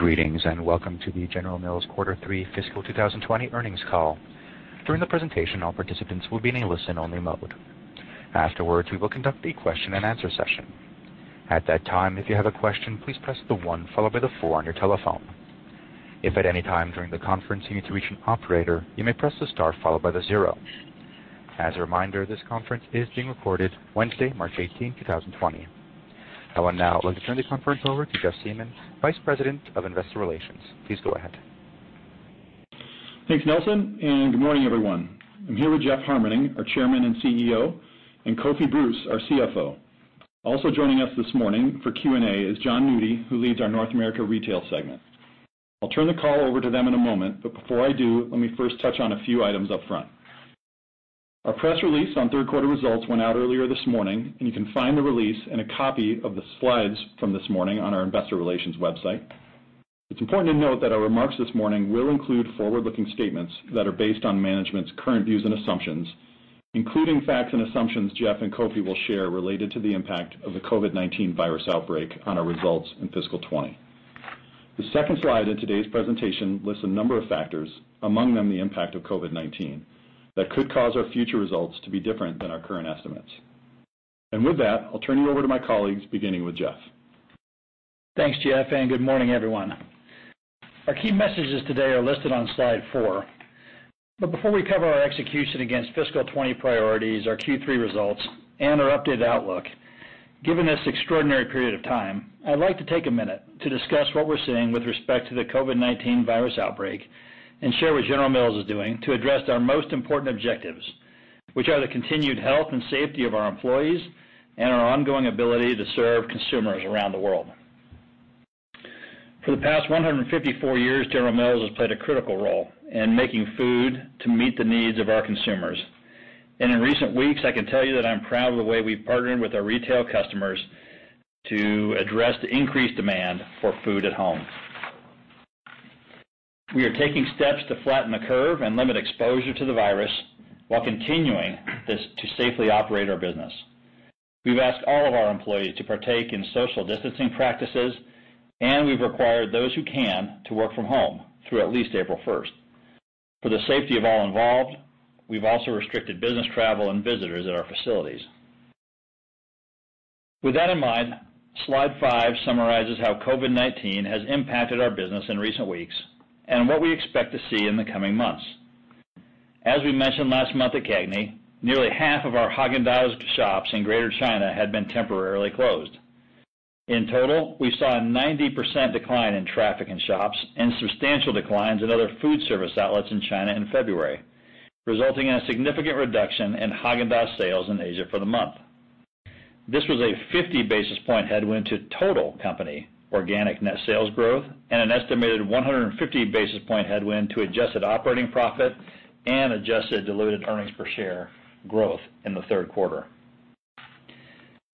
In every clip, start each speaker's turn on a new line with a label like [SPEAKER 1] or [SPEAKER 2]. [SPEAKER 1] Greetings, and welcome to the General Mills quarter three fiscal 2020 earnings call. During the presentation, all participants will be in a listen-only mode. Afterwards, we will conduct a question and answer session. At that time, if you have a question, please press the one followed by the four on your telephone. If at any time during the conference you need to reach an operator, you may press the star followed by the zero. As a reminder, this conference is being recorded Wednesday, March 18th, 2020. I would now like to turn the conference over to Jeff Siemon, Vice President of Investor Relations. Please go ahead.
[SPEAKER 2] Thanks, Nelson. Good morning, everyone. I'm here with Jeff Harmening, our Chairman and CEO, and Kofi Bruce, our CFO. Also joining us this morning for Q&A is Jon Nudi, who leads our North America Retail segment. I'll turn the call over to them in a moment, but before I do, let me first touch on a few items up front. Our press release on third quarter results went out earlier this morning, and you can find the release and a copy of the slides from this morning on our investor relations website. It's important to note that our remarks this morning will include forward-looking statements that are based on management's current views and assumptions, including facts and assumptions Jeff and Kofi will share related to the impact of the COVID-19 virus outbreak on our results in fiscal 2020. The second slide in today's presentation lists a number of factors, among them the impact of COVID-19, that could cause our future results to be different than our current estimates. With that, I'll turn you over to my colleagues, beginning with Jeff.
[SPEAKER 3] Thanks, Jeff. Good morning, everyone. Our key messages today are listed on slide four. Before we cover our execution against fiscal 2020 priorities, our Q3 results, and our updated outlook, given this extraordinary period of time, I'd like to take a minute to discuss what we're seeing with respect to the COVID-19 virus outbreak and share what General Mills is doing to address our most important objectives, which are the continued health and safety of our employees and our ongoing ability to serve consumers around the world. For the past 154 years, General Mills has played a critical role in making food to meet the needs of our consumers. In recent weeks, I can tell you that I'm proud of the way we've partnered with our retail customers to address the increased demand for food at home. We are taking steps to flatten the curve and limit exposure to the virus while continuing to safely operate our business. We've asked all of our employees to partake in social distancing practices, and we've required those who can to work from home through at least April 1st. For the safety of all involved, we've also restricted business travel and visitors at our facilities. With that in mind, slide five summarizes how COVID-19 has impacted our business in recent weeks and what we expect to see in the coming months. As we mentioned last month at CAGNY, nearly half of our Häagen-Dazs shops in Greater China had been temporarily closed. In total, we saw a 90% decline in traffic in shops and substantial declines in other food service outlets in China in February, resulting in a significant reduction in Häagen-Dazs sales in Asia for the month. This was a 50 basis point headwind to total company organic net sales growth and an estimated 150 basis point headwind to adjusted operating profit and adjusted diluted earnings per share growth in the third quarter.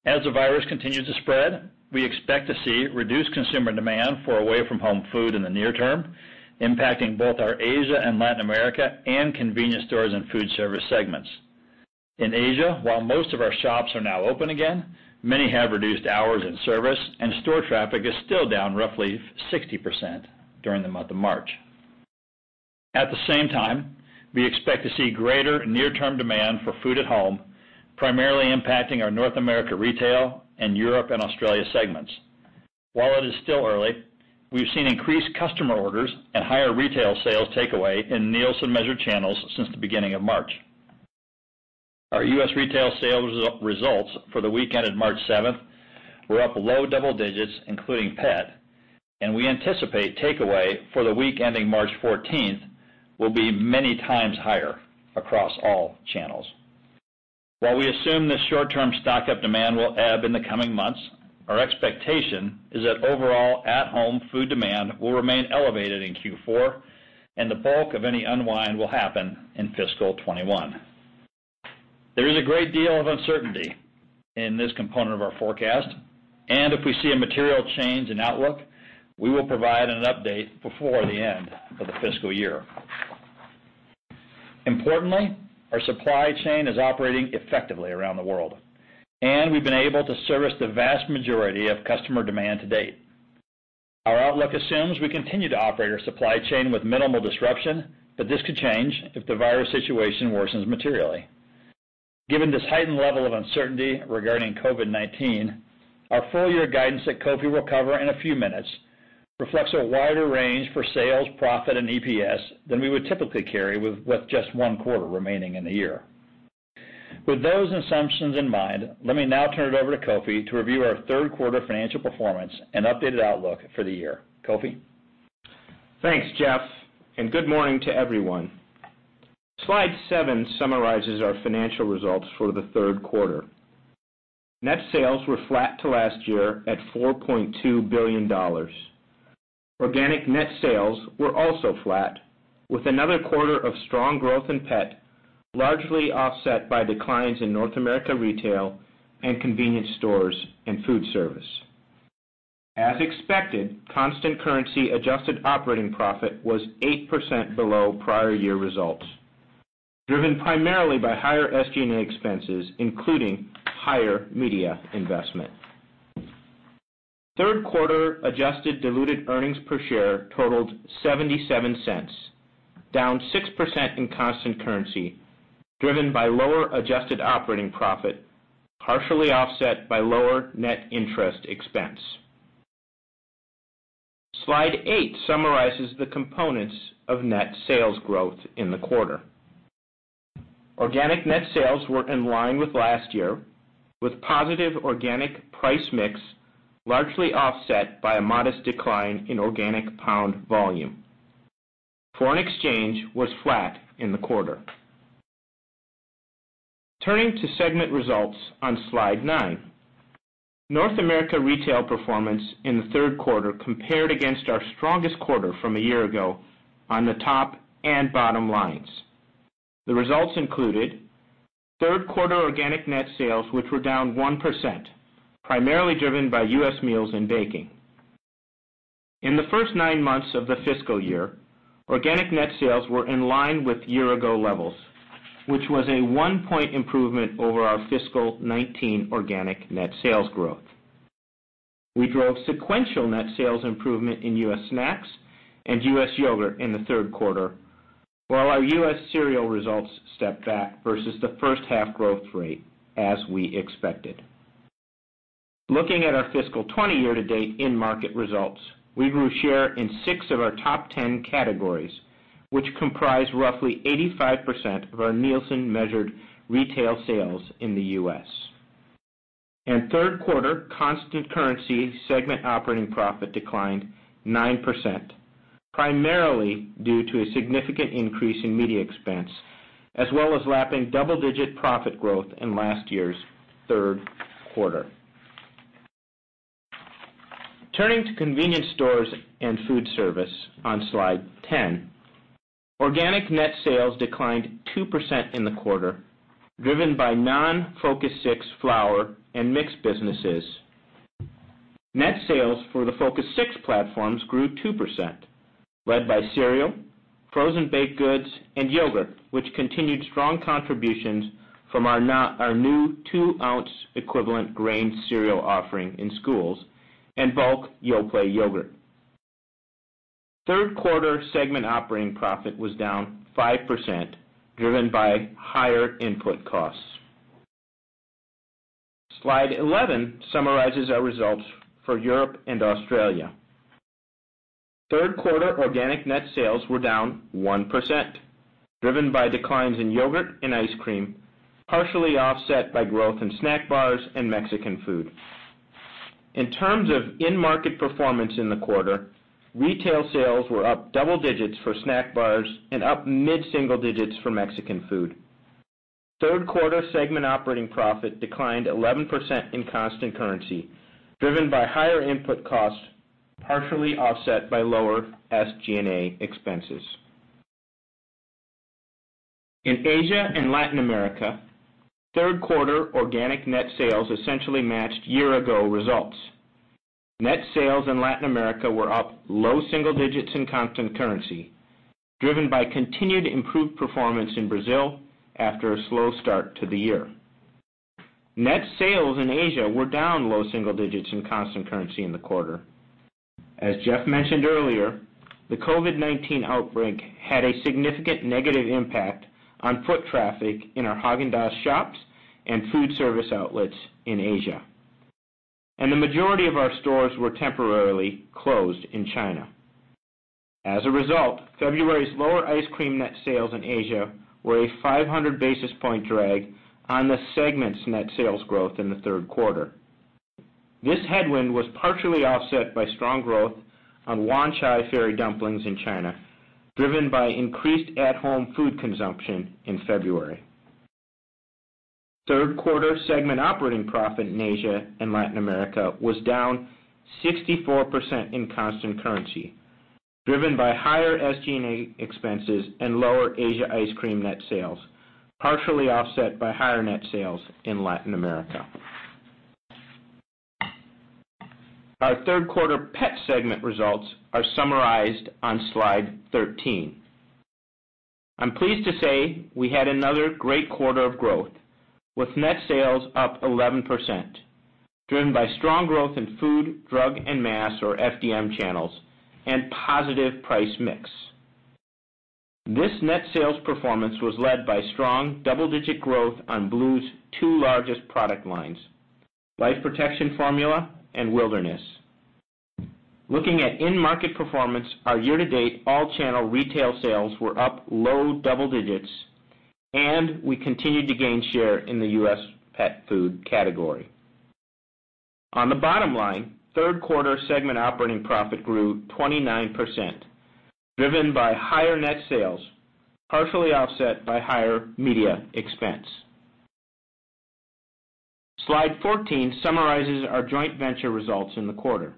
[SPEAKER 3] As the virus continues to spread, we expect to see reduced consumer demand for away-from-home food in the near term, impacting both our Asia & Latin America and Convenience & Foodservice segments. In Asia, while most of our shops are now open again, many have reduced hours and service, and store traffic is still down roughly 60% during the month of March. At the same time, we expect to see greater near-term demand for food at home, primarily impacting our North America Retail and Europe & Australia segments. While it is still early, we've seen increased customer orders and higher retail sales takeaway in Nielsen measured channels since the beginning of March. Our U.S. retail sales results for the week ended March 7th were up low double digits, including pet, and we anticipate takeaway for the week ending March 14th will be many times higher across all channels. While we assume this short-term stock-up demand will ebb in the coming months, our expectation is that overall at-home food demand will remain elevated in Q4, and the bulk of any unwind will happen in fiscal 2021. There is a great deal of uncertainty in this component of our forecast, and if we see a material change in outlook, we will provide an update before the end of the fiscal year. Importantly, our supply chain is operating effectively around the world, and we've been able to service the vast majority of customer demand to date. Our outlook assumes we continue to operate our supply chain with minimal disruption, but this could change if the virus situation worsens materially. Given this heightened level of uncertainty regarding COVID-19, our full-year guidance that Kofi will cover in a few minutes reflects a wider range for sales, profit, and EPS than we would typically carry with just one quarter remaining in the year. With those assumptions in mind, let me now turn it over to Kofi to review our third quarter financial performance and updated outlook for the year. Kofi?
[SPEAKER 4] Thanks, Jeff. Good morning to everyone. Slide seven summarizes our financial results for the third quarter. Net sales were flat to last year at $4.2 billion. Organic net sales were also flat, with another quarter of strong growth in pet, largely offset by declines in North America Retail and Convenience & Foodservice. As expected, constant currency adjusted operating profit was 8% below prior year results. Driven primarily by higher SGA expenses, including higher media investment. Third quarter adjusted diluted earnings per share totaled $0.77, down 6% in constant currency, driven by lower adjusted operating profit, partially offset by lower net interest expense. Slide eight summarizes the components of net sales growth in the quarter. Organic net sales were in line with last year, with positive organic price mix largely offset by a modest decline in organic pound volume. Foreign exchange was flat in the quarter. Turning to segment results on slide nine. North America Retail performance in the third quarter compared against our strongest quarter from a year-ago on the top and bottom lines. The results included third quarter organic net sales, which were down 1%, primarily driven by U.S. meals and baking. In the first nine months of the fiscal year, organic net sales were in line with year-ago levels, which was a 1-point improvement over our fiscal 2019 organic net sales growth. We drove sequential net sales improvement in U.S. snacks and U.S. yogurt in the third quarter, while our U.S. cereal results stepped back versus the first half growth rate, as we expected. Looking at our fiscal 2020 year-to-date in-market results, we grew share in six of our top 10 categories, which comprise roughly 85% of our Nielsen-measured retail sales in the U.S. Third quarter constant currency segment operating profit declined 9%, primarily due to a significant increase in media expense, as well as lapping double-digit profit growth in last year's third quarter. Turning to Convenience & Foodservice on slide 10, organic net sales declined 2% in the quarter, driven by non-Focus 6 flour and mix businesses. Net sales for the Focus 6 platforms grew 2%, led by cereal, frozen baked goods, and yogurt, which continued strong contributions from our new 2-oz equivalent grain cereal offering in schools and bulk Yoplait yogurt. Third quarter segment operating profit was down 5%, driven by higher input costs. Slide 11 summarizes our results for Europe & Australia. Third quarter organic net sales were down 1%, driven by declines in yogurt and ice cream, partially offset by growth in snack bars and Mexican food. In terms of in-market performance in the quarter, retail sales were up double digits for snack bars and up mid-single digits for Mexican food. Third quarter segment operating profit declined 11% in constant currency, driven by higher input costs, partially offset by lower SG&A expenses. In Asia and Latin America, third quarter organic net sales essentially matched year-ago results. Net sales in Latin America were up low single digits in constant currency, driven by continued improved performance in Brazil after a slow start to the year. Net sales in Asia were down low single digits in constant currency in the quarter. As Jeff mentioned earlier, the COVID-19 outbreak had a significant negative impact on foot traffic in our Häagen-Dazs shops and food service outlets in Asia, and the majority of our stores were temporarily closed in China. As a result, February's lower ice cream net sales in Asia were a 500 basis point drag on the segment's net sales growth in the third quarter. This headwind was partially offset by strong growth on Wanchai Ferry dumplings in China, driven by increased at-home food consumption in February. Third quarter segment operating profit in Asia & Latin America was down 64% in constant currency, driven by higher SG&A expenses and lower Asia ice cream net sales, partially offset by higher net sales in Latin America. Our third quarter pet segment results are summarized on slide 13. I'm pleased to say we had another great quarter of growth, with net sales up 11%, driven by strong growth in food, drug, and mass, or FDM channels, and positive price mix. This net sales performance was led by strong double-digit growth on BLUE's two largest product lines, Life Protection Formula and Wilderness. Looking at in-market performance, our year-to-date all-channel retail sales were up low double digits, and we continued to gain share in the U.S. pet food category. On the bottom line, third quarter segment operating profit grew 29%, driven by higher net sales, partially offset by higher media expense. Slide 14 summarizes our joint venture results in the quarter.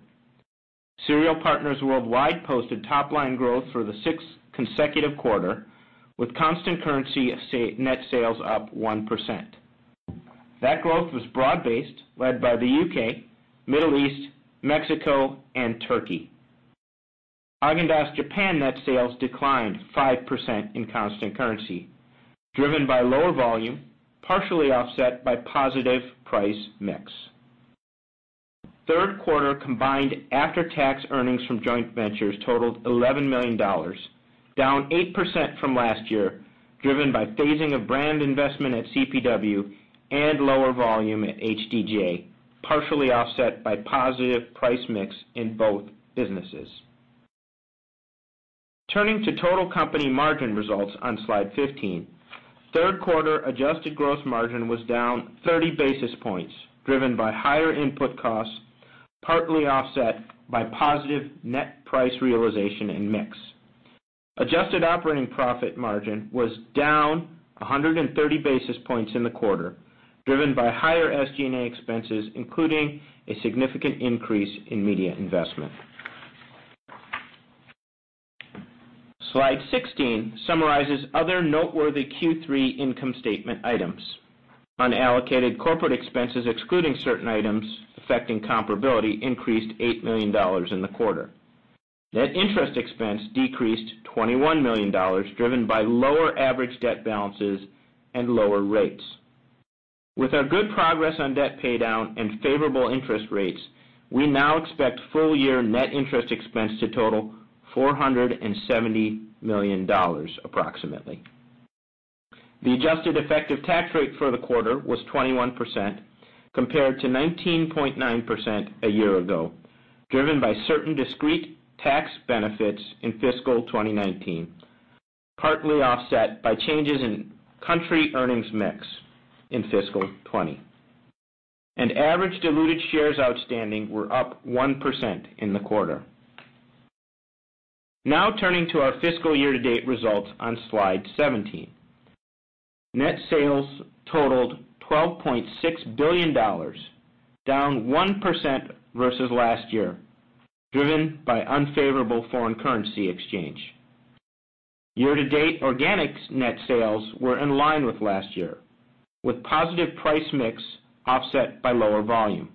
[SPEAKER 4] Cereal Partners Worldwide posted top-line growth for the sixth consecutive quarter, with constant currency net sales up 1%. That growth was broad-based, led by the U.K., Middle East, Mexico, and Turkey. Häagen-Dazs Japan net sales declined 5% in constant currency, driven by lower volume, partially offset by positive price mix. Third quarter combined after-tax earnings from joint ventures totaled $11 million, down 8% from last year, driven by phasing of brand investment at CPW and lower volume at HDJ, partially offset by positive price mix in both businesses. Turning to total company margin results on slide 15. Third quarter adjusted gross margin was down 30 basis points, driven by higher input costs, partly offset by positive net price realization and mix. Adjusted operating profit margin was down 130 basis points in the quarter, driven by higher SG&A expenses, including a significant increase in media investment. Slide 16 summarizes other noteworthy Q3 income statement items. Unallocated corporate expenses excluding certain items affecting comparability increased $8 million in the quarter. Net interest expense decreased $21 million, driven by lower average debt balances and lower rates. With our good progress on debt paydown and favorable interest rates, we now expect full-year net interest expense to total $470 million approximately. The adjusted effective tax rate for the quarter was 21%, compared to 19.9% a year ago, driven by certain discrete tax benefits in fiscal 2019, partly offset by changes in country earnings mix in fiscal 2020. Average diluted shares outstanding were up 1% in the quarter. Now turning to our fiscal year-to-date results on slide 17. Net sales totaled $12.6 billion, down 1% versus last year, driven by unfavorable foreign currency exchange. Year-to-date organics net sales were in line with last year, with positive price mix offset by lower volume.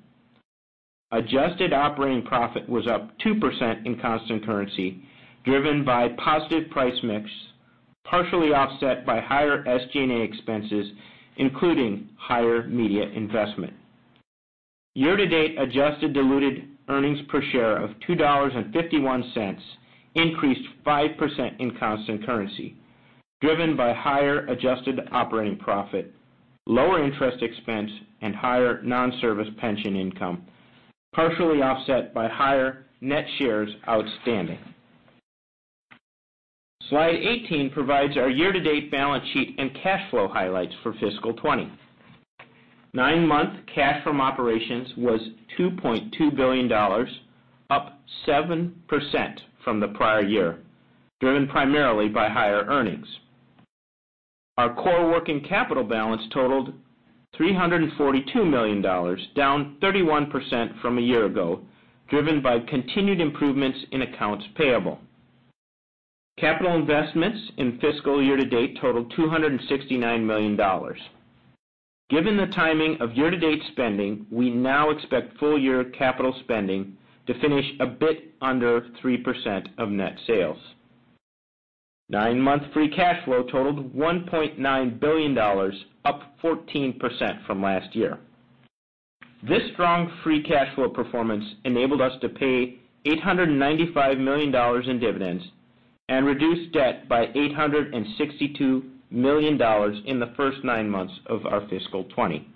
[SPEAKER 4] Adjusted operating profit was up 2% in constant currency, driven by positive price mix, partially offset by higher SGA expenses, including higher media investment. Year-to-date adjusted diluted earnings per share of $2.51 increased 5% in constant currency, driven by higher adjusted operating profit, lower interest expense, and higher non-service pension income, partially offset by higher net shares outstanding. Slide 18 provides our year-to-date balance sheet and cash flow highlights for fiscal 2020. Nine-month cash from operations was $2.2 billion, up 7% from the prior year, driven primarily by higher earnings. Our core working capital balance totaled $342 million, down 31% from a year ago, driven by continued improvements in accounts payable. Capital investments in fiscal year-to-date totaled $269 million. Given the timing of year-to-date spending, we now expect full-year capital spending to finish a bit under 3% of net sales. Nine-month free cash flow totaled $1.9 billion, up 14% from last year. This strong free cash flow performance enabled us to pay $895 million in dividends and reduce debt by $862 million in the first nine months of our fiscal 2020.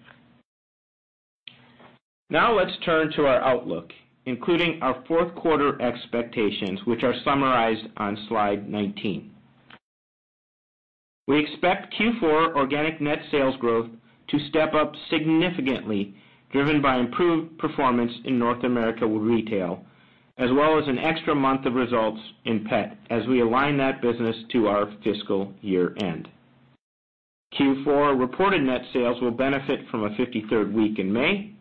[SPEAKER 4] Let's turn to our outlook, including our fourth quarter expectations, which are summarized on slide 19. We expect Q4 organic net sales growth to step up significantly, driven by improved performance in North America Retail, as well as an extra month of results in pet as we align that business to our fiscal year-end. Q4 reported net sales will benefit from a 53rd week in May.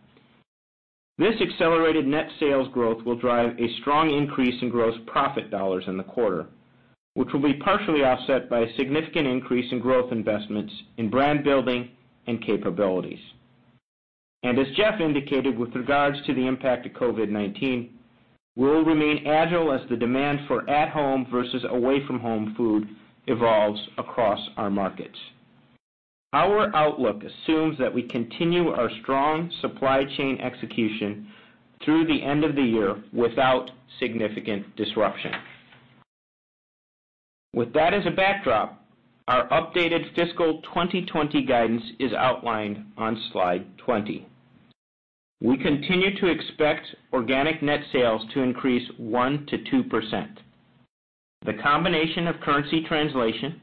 [SPEAKER 4] This accelerated net sales growth will drive a strong increase in gross profit dollars in the quarter, which will be partially offset by a significant increase in growth investments in brand building and capabilities. As Jeff indicated with regards to the impact of COVID-19, we'll remain agile as the demand for at-home versus away-from-home food evolves across our markets. Our outlook assumes that we continue our strong supply chain execution through the end of the year without significant disruption. With that as a backdrop, our updated fiscal 2020 guidance is outlined on slide 20. We continue to expect organic net sales to increase 1%-2%. The combination of currency translation,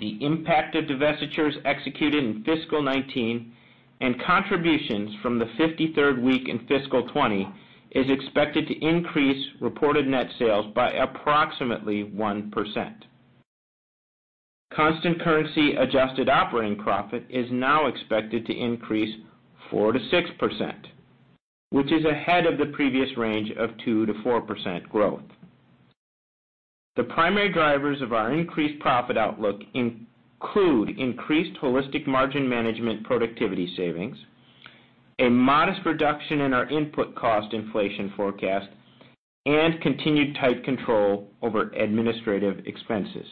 [SPEAKER 4] the impact of divestitures executed in fiscal 2019, and contributions from the 53rd week in fiscal 2020 is expected to increase reported net sales by approximately 1%. Constant currency adjusted operating profit is now expected to increase 4%-6%, which is ahead of the previous range of 2%-4% growth. The primary drivers of our increased profit outlook include increased holistic margin management productivity savings. A modest reduction in our input cost inflation forecast and continued tight control over administrative expenses.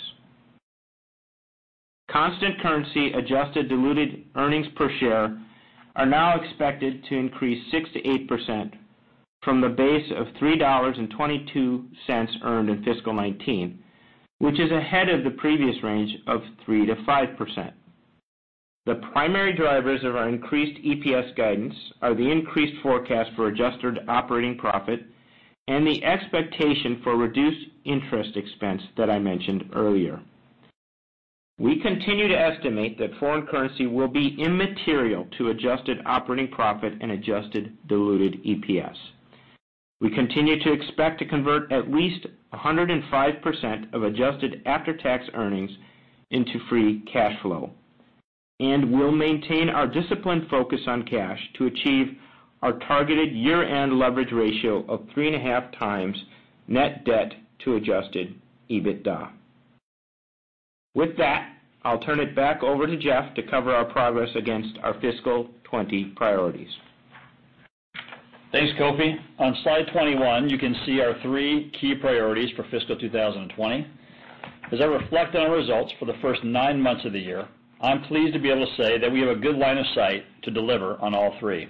[SPEAKER 4] Constant currency adjusted diluted earnings per share are now expected to increase 6%-8% from the base of $3.22 earned in fiscal 2019, which is ahead of the previous range of 3%-5%. The primary drivers of our increased EPS guidance are the increased forecast for adjusted operating profit and the expectation for reduced interest expense that I mentioned earlier. We continue to estimate that foreign currency will be immaterial to adjusted operating profit and adjusted diluted EPS. We continue to expect to convert at least 105% of adjusted after-tax earnings into free cash flow. We'll maintain our disciplined focus on cash to achieve our targeted year-end leverage ratio of 3.5x net debt to adjusted EBITDA. With that, I'll turn it back over to Jeff to cover our progress against our fiscal 2020 priorities.
[SPEAKER 3] Thanks, Kofi. On slide 21, you can see our three key priorities for fiscal 2020. As I reflect on our results for the first nine months of the year, I'm pleased to be able to say that we have a good line of sight to deliver on all three.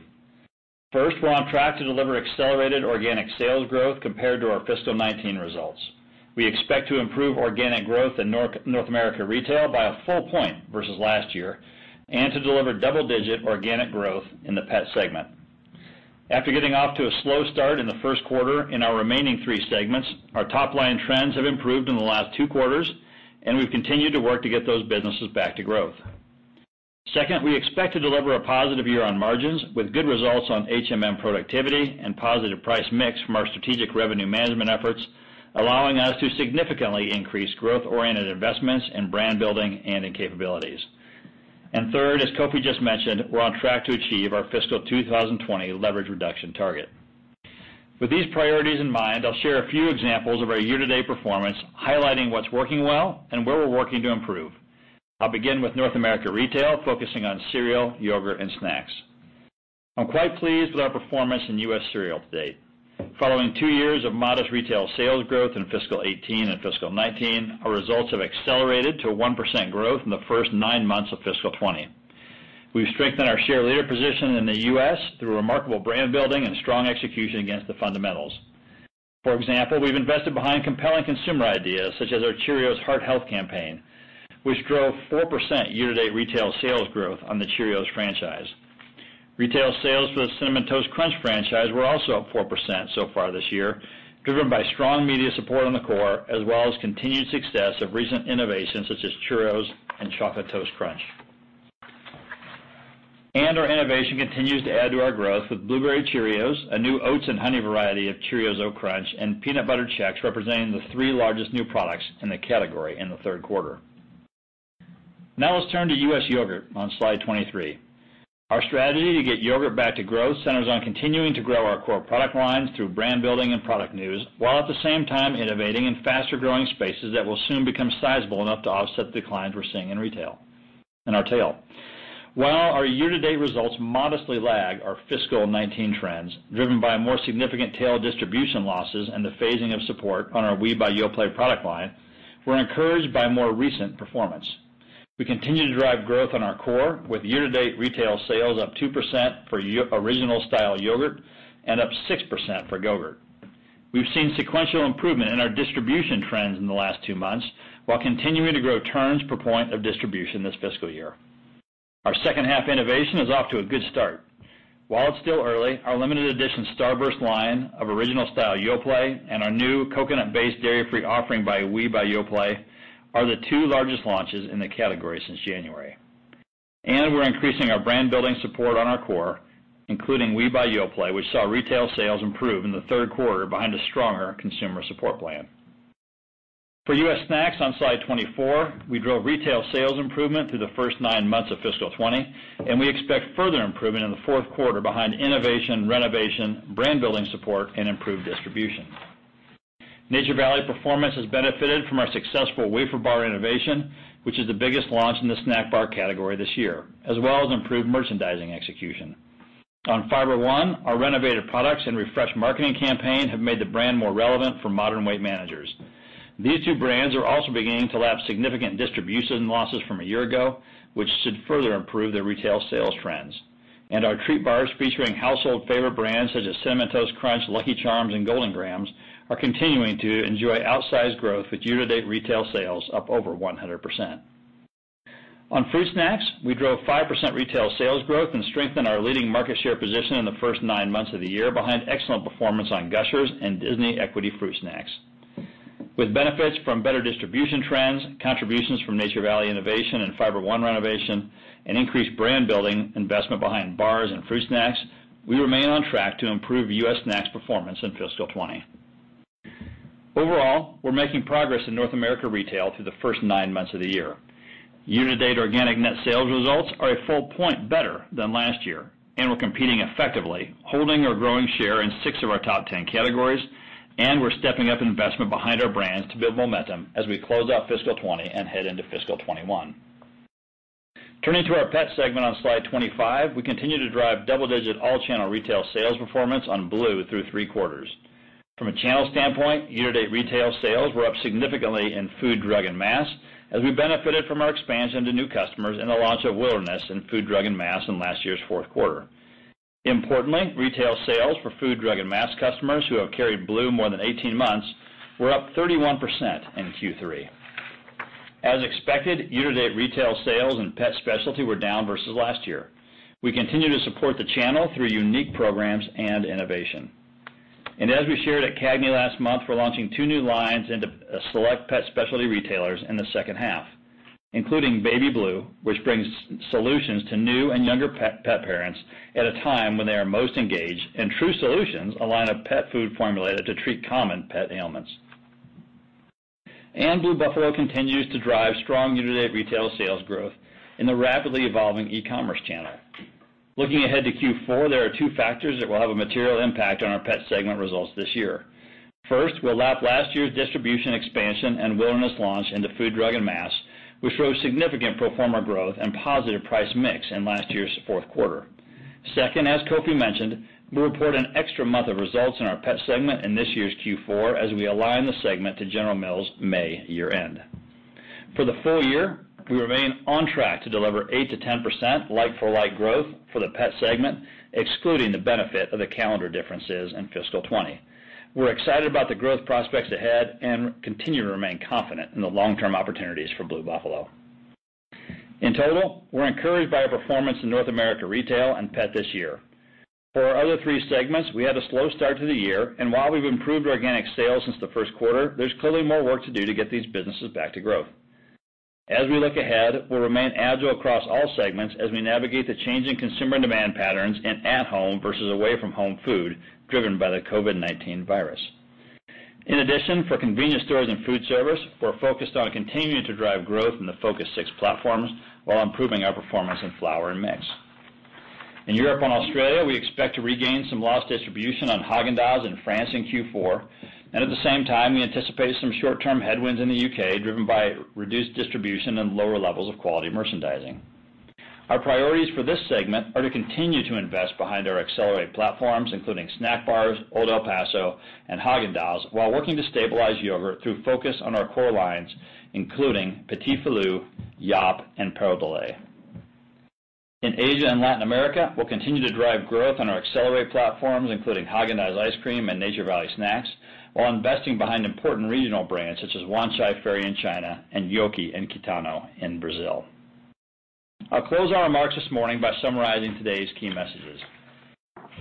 [SPEAKER 3] First, we're on track to deliver accelerated organic sales growth compared to our fiscal 2019 results. We expect to improve organic growth in North America Retail by a full point versus last year, and to deliver double-digit organic growth in the pet segment. After getting off to a slow start in the first quarter in our remaining three segments, our top-line trends have improved in the last two quarters, and we've continued to work to get those businesses back to growth. We expect to deliver a positive year on margins with good results on HMM productivity and positive price mix from our strategic revenue management efforts, allowing us to significantly increase growth-oriented investments in brand building and in capabilities. Third, as Kofi just mentioned, we're on track to achieve our fiscal 2020 leverage reduction target. With these priorities in mind, I'll share a few examples of our year-to-date performance, highlighting what's working well and where we're working to improve. I'll begin with North America Retail, focusing on cereal, yogurt, and snacks. I'm quite pleased with our performance in U.S. cereal to date. Following two years of modest retail sales growth in fiscal 2018 and fiscal 2019, our results have accelerated to 1% growth in the first nine months of fiscal 2020. We've strengthened our share leader position in the U.S. through remarkable brand building and strong execution against the fundamentals. For example, we've invested behind compelling consumer ideas such as our Cheerios Heart Health Campaign, which drove 4% year-to-date retail sales growth on the Cheerios franchise. Retail sales for the Cinnamon Toast Crunch franchise were also up 4% so far this year, driven by strong media support on the core, as well as continued success of recent innovations such as Cheerrios and Chocolate Toast Crunch. Our innovation continues to add to our growth with Blueberry Cheerios, a new oats and honey variety of Cheerios Oat Crunch, and Peanut Butter Chex representing the three largest new products in the category in the third quarter. Now let's turn to U.S. yogurt on slide 23. Our strategy to get yogurt back to growth centers on continuing to grow our core product lines through brand building and product news, while at the same time innovating in faster-growing spaces that will soon become sizable enough to offset the declines we're seeing in retail. In our tail, while our year-to-date results modestly lag our fiscal 2019 trends, driven by more significant tail distribution losses and the phasing of support on our we buy Yoplait product line, we're encouraged by more recent performance. We continue to drive growth on our core with year-to-date retail sales up 2% for original style yogurt and up 6% for Go-GURT. We've seen sequential improvement in our distribution trends in the last two months, while continuing to grow turns per point of distribution this fiscal year. Our second half innovation is off to a good start. While it's still early, our limited edition Starburst line of original style Yoplait and our new coconut-based dairy-free offering by Oui by Yoplait are the two largest launches in the category since January. We're increasing our brand building support on our core, including Oui by Yoplait, which saw retail sales improve in the third quarter behind a stronger consumer support plan. For U.S. snacks on slide 24, we drove retail sales improvement through the first nine months of fiscal 2020, and we expect further improvement in the fourth quarter behind innovation, renovation, brand building support, and improved distribution. Nature Valley performance has benefited from our successful wafer bar innovation, which is the biggest launch in the snack bar category this year, as well as improved merchandising execution. On Fiber One, our renovated products and refreshed marketing campaign have made the brand more relevant for modern weight managers. These two brands are also beginning to lap significant distribution losses from one year ago, which should further improve their retail sales trends. Our treat bars featuring household favorite brands such as Cinnamon Toast Crunch, Lucky Charms, and Golden Grahams are continuing to enjoy outsized growth with year-to-date retail sales up over 100%. On fruit snacks, we drove 5% retail sales growth and strengthened our leading market share position in the first nine months of the year behind excellent performance on Gushers and Disney Fruit Snacks. With benefits from better distribution trends, contributions from Nature Valley innovation and Fiber One renovation, and increased brand building investment behind bars and fruit snacks, we remain on track to improve U.S. snacks performance in fiscal 2020. Overall, we're making progress in North America Retail through the first nine months of the year. Year-to-date organic net sales results are a full point better than last year, and we're competing effectively, holding or growing share in six of our top 10 categories. We're stepping up investment behind our brands to build momentum as we close out fiscal 2020 and head into fiscal 2021. Turning to our pet segment on slide 25, we continue to drive double-digit all channel retail sales performance on BLUE through three quarters. From a channel standpoint, year-to-date retail sales were up significantly in food, drug, and mass as we benefited from our expansion to new customers in the launch of BLUE Wilderness in food, drug, and mass in last year's fourth quarter. Importantly, retail sales for food, drug, and mass customers who have carried BLUE more than 18 months were up 31% in Q3. As expected, year-to-date retail sales in pet specialty were down versus last year. We continue to support the channel through unique programs and innovation. As we shared at CAGNY last month, we're launching two new lines into select pet specialty retailers in the second half, including Baby BLUE, which brings solutions to new and younger pet parents at a time when they are most engaged, and True Solutions, a line of pet food formulated to treat common pet ailments. Blue Buffalo continues to drive strong year-to-date retail sales growth in the rapidly evolving e-commerce channel. Looking ahead to Q4, there are two factors that will have a material impact on our pet segment results this year. First, we'll lap last year's distribution expansion and Wilderness launch into food, drug, and mass, which drove significant pro forma growth and positive price mix in last year's fourth quarter. Second, as Kofi mentioned, we will report an extra month of results in our pet segment in this year's Q4 as we align the segment to General Mills' May year-end. For the full-year, we remain on track to deliver 8%-10% like-for-like growth for the pet segment, excluding the benefit of the calendar differences in fiscal 2020. We are excited about the growth prospects ahead and continue to remain confident in the long-term opportunities for Blue Buffalo. In total, we are encouraged by our performance in North America Retail and pet this year. While we have improved organic sales since the first quarter, there is clearly more work to do to get these businesses back to growth. As we look ahead, we'll remain agile across all segments as we navigate the changing consumer demand patterns in at-home versus away-from-home food driven by the COVID-19 virus. In addition, for convenience stores and food service, we're focused on continuing to drive growth in the Focus 6 platforms while improving our performance in flour and mix. In Europe and Australia, we expect to regain some lost distribution on Häagen-Dazs in France in Q4. At the same time, we anticipate some short-term headwinds in the U.K. driven by reduced distribution and lower levels of quality merchandising. Our priorities for this segment are to continue to invest behind our accelerated platforms, including snack bars, Old El Paso, and Häagen-Dazs, while working to stabilize yogurt through focus on our core lines, including Petits Filous, Yop, and Prodelé. In Asia & Latin America, we'll continue to drive growth on our accelerated platforms, including Häagen-Dazs ice cream and Nature Valley snacks, while investing behind important regional brands such as Wanchai Ferry in China and Yoki and Kitano in Brazil. I'll close our remarks this morning by summarizing today's key messages.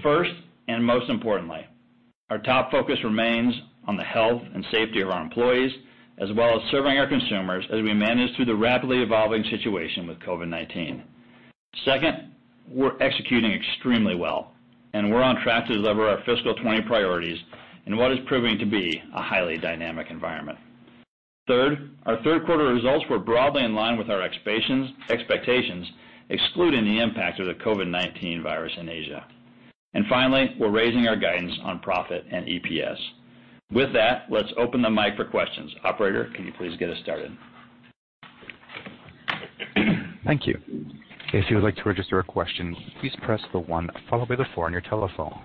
[SPEAKER 3] First, and most importantly, our top focus remains on the health and safety of our employees, as well as serving our consumers as we manage through the rapidly evolving situation with COVID-19. Second, we're executing extremely well, and we're on track to deliver our fiscal 2020 priorities in what is proving to be a highly dynamic environment. Third, our third quarter results were broadly in line with our expectations, excluding the impact of the COVID-19 virus in Asia. Finally, we're raising our guidance on profit and EPS. With that, let's open the mic for questions. Operator, can you please get us started?
[SPEAKER 1] Thank you. If you would like to register a question, please press the one followed by the four on your telephone.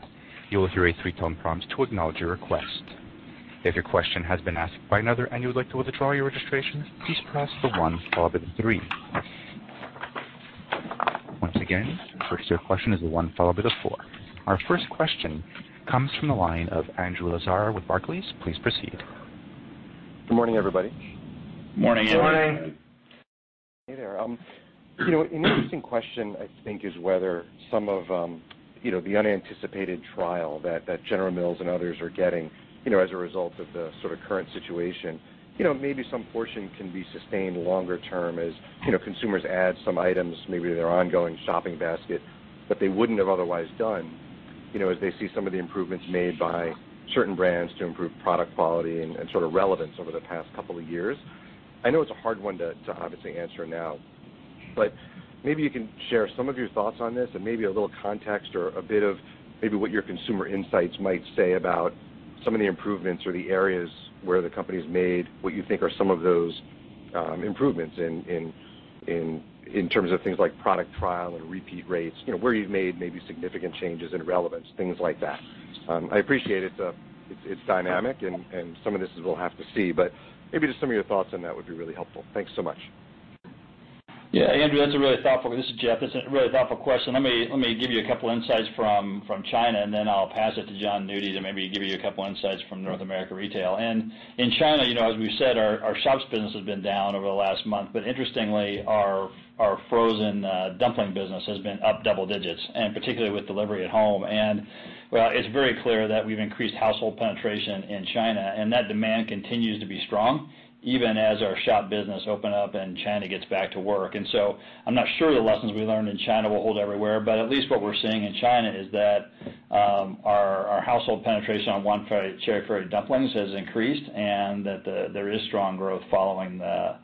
[SPEAKER 1] You will hear a three-tone prompt to acknowledge your request. If your question has been asked by another and you would like to withdraw your registration, please press the one followed by the three. Once again, to register your question is the one followed by the four. Our first question comes from the line of Andrew Lazar with Barclays. Please proceed.
[SPEAKER 5] Good morning, everybody.
[SPEAKER 3] Morning, Andrew.
[SPEAKER 4] Good morning.
[SPEAKER 5] Hey there. An interesting question, I think, is whether some of the unanticipated trial that General Mills and others are getting as a result of the sort of current situation, maybe some portion can be sustained longer term as consumers add some items maybe to their ongoing shopping basket that they wouldn't have otherwise done as they see some of the improvements made by certain brands to improve product quality and sort of relevance over the past couple of years. I know it's a hard one to obviously answer now, but maybe you can share some of your thoughts on this and maybe a little context or a bit of maybe what your consumer insights might say about some of the improvements or the areas where the company's made what you think are some of those improvements in terms of things like product trial and repeat rates, where you've made maybe significant changes in relevance, things like that. I appreciate it's dynamic and some of this we'll have to see, but maybe just some of your thoughts on that would be really helpful. Thanks so much.
[SPEAKER 3] Yeah, Andrew, this is Jeff. That's a really thoughtful question. Let me give you a couple insights from China, then I'll pass it to Jon Nudi to maybe give you a couple insights from North America Retail. In China, as we've said, our shops business has been down over the last month, but interestingly, our frozen dumpling business has been up double digits, and particularly with delivery at home. It's very clear that we've increased household penetration in China, and that demand continues to be strong even as our shop business open up and China gets back to work. I'm not sure the lessons we learned in China will hold everywhere, but at least what we're seeing in China is that our household penetration on Wanchai Ferry dumplings has increased and that there is strong growth following the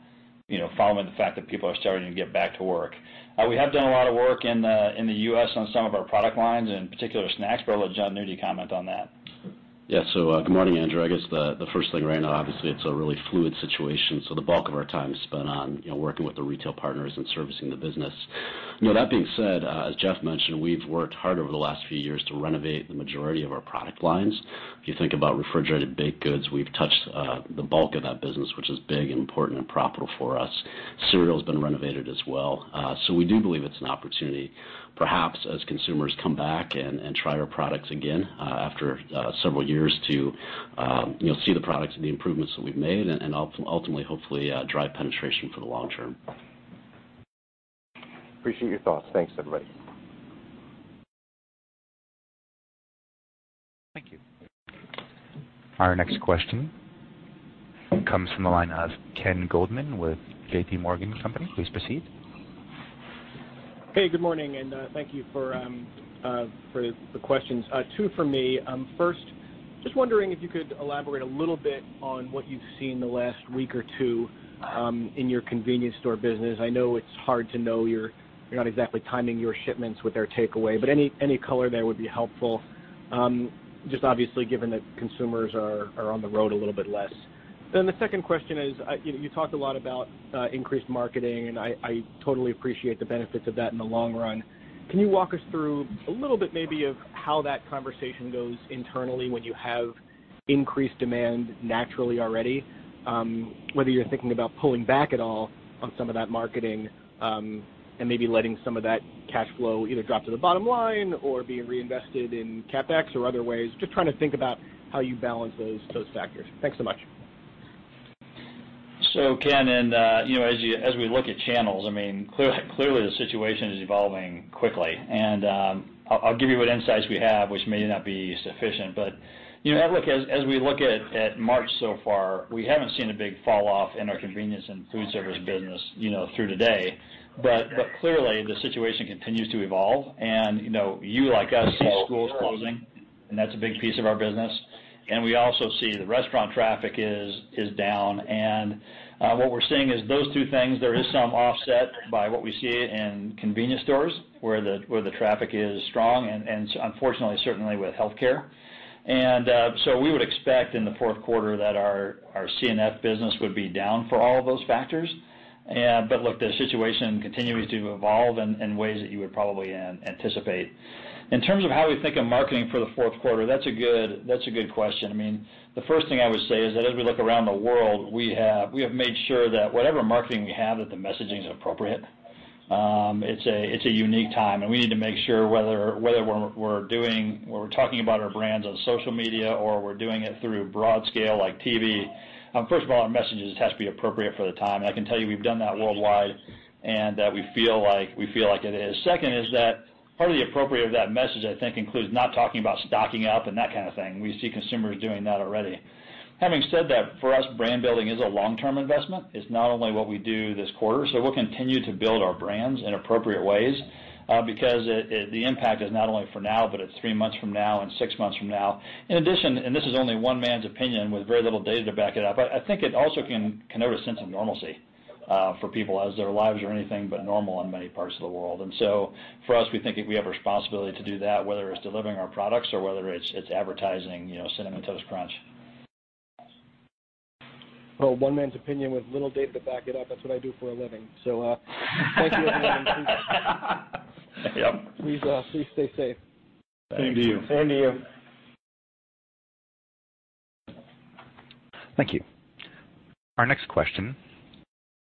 [SPEAKER 3] fact that people are starting to get back to work. We have done a lot of work in the U.S. on some of our product lines, in particular snacks, but I'll let Jon Nudi comment on that.
[SPEAKER 6] Good morning, Andrew. I guess the first thing right now, obviously, it's a really fluid situation. The bulk of our time is spent on working with the retail partners and servicing the business. That being said, as Jeff mentioned, we've worked hard over the last few years to renovate the majority of our product lines. If you think about refrigerated baked goods, we've touched the bulk of that business, which is big and important and profitable for us. Cereal's been renovated as well. We do believe it's an opportunity, perhaps as consumers come back and try our products again after several years to see the products and the improvements that we've made and, ultimately, hopefully, drive penetration for the long term.
[SPEAKER 5] Appreciate your thoughts. Thanks, everybody.
[SPEAKER 1] Thank you. Our next question comes from the line of Ken Goldman with JPMorgan Company. Please proceed.
[SPEAKER 7] Good morning, thank you for the questions. Two from me. First, just wondering if you could elaborate a little bit on what you've seen the last week or two in your convenience store business. I know it's hard to know, you're not exactly timing your shipments with their takeaway, but any color there would be helpful. Just obviously given that consumers are on the road a little bit less. The second question is, you talked a lot about increased marketing, and I totally appreciate the benefits of that in the long run. Can you walk us through a little bit maybe of how that conversation goes internally when you have increased demand naturally already? Whether you're thinking about pulling back at all on some of that marketing, and maybe letting some of that cash flow either drop to the bottom line or be reinvested in CapEx or other ways. Just trying to think about how you balance those factors. Thanks so much.
[SPEAKER 3] Ken, as we look at channels, clearly the situation is evolving quickly. I'll give you what insights we have, which may not be sufficient. As we look at March so far, we haven't seen a big fall off in our Convenience & Foodservice business through today. Clearly, the situation continues to evolve and you, like us, see schools closing, and that's a big piece of our business. We also see the restaurant traffic is down. What we're seeing is those two things, there is some offset by what we see in convenience stores, where the traffic is strong and unfortunately, certainly with healthcare. We would expect in the fourth quarter that our C&F business would be down for all of those factors. Look, the situation continues to evolve in ways that you would probably anticipate. In terms of how we think of marketing for the fourth quarter, that's a good question. The first thing I would say is that as we look around the world, we have made sure that whatever marketing we have, that the messaging is appropriate. It's a unique time. We need to make sure whether we're talking about our brands on social media or we're doing it through broad scale, like TV. First of all, our messages have to be appropriate for the time, and I can tell you we've done that worldwide and that we feel like it is. Second is that part of the appropriateness of that message, I think, includes not talking about stocking up and that kind of thing. We see consumers doing that already. Having said that, for us, brand building is a long-term investment. It's not only what we do this quarter. We'll continue to build our brands in appropriate ways, because the impact is not only for now, but it's three months from now and six months from now. In addition, this is only one man's opinion with very little data to back it up, but I think it also can convey a sense of normalcy for people as their lives are anything but normal in many parts of the world. For us, we think we have a responsibility to do that, whether it's delivering our products or whether it's advertising Cinnamon Toast Crunch.
[SPEAKER 7] Well, one man's opinion with little data to back it up, that's what I do for a living. Thank you, everyone.
[SPEAKER 3] Yep.
[SPEAKER 7] Please stay safe.
[SPEAKER 3] Thank you.
[SPEAKER 6] Same to you.
[SPEAKER 1] Thank you. Our next question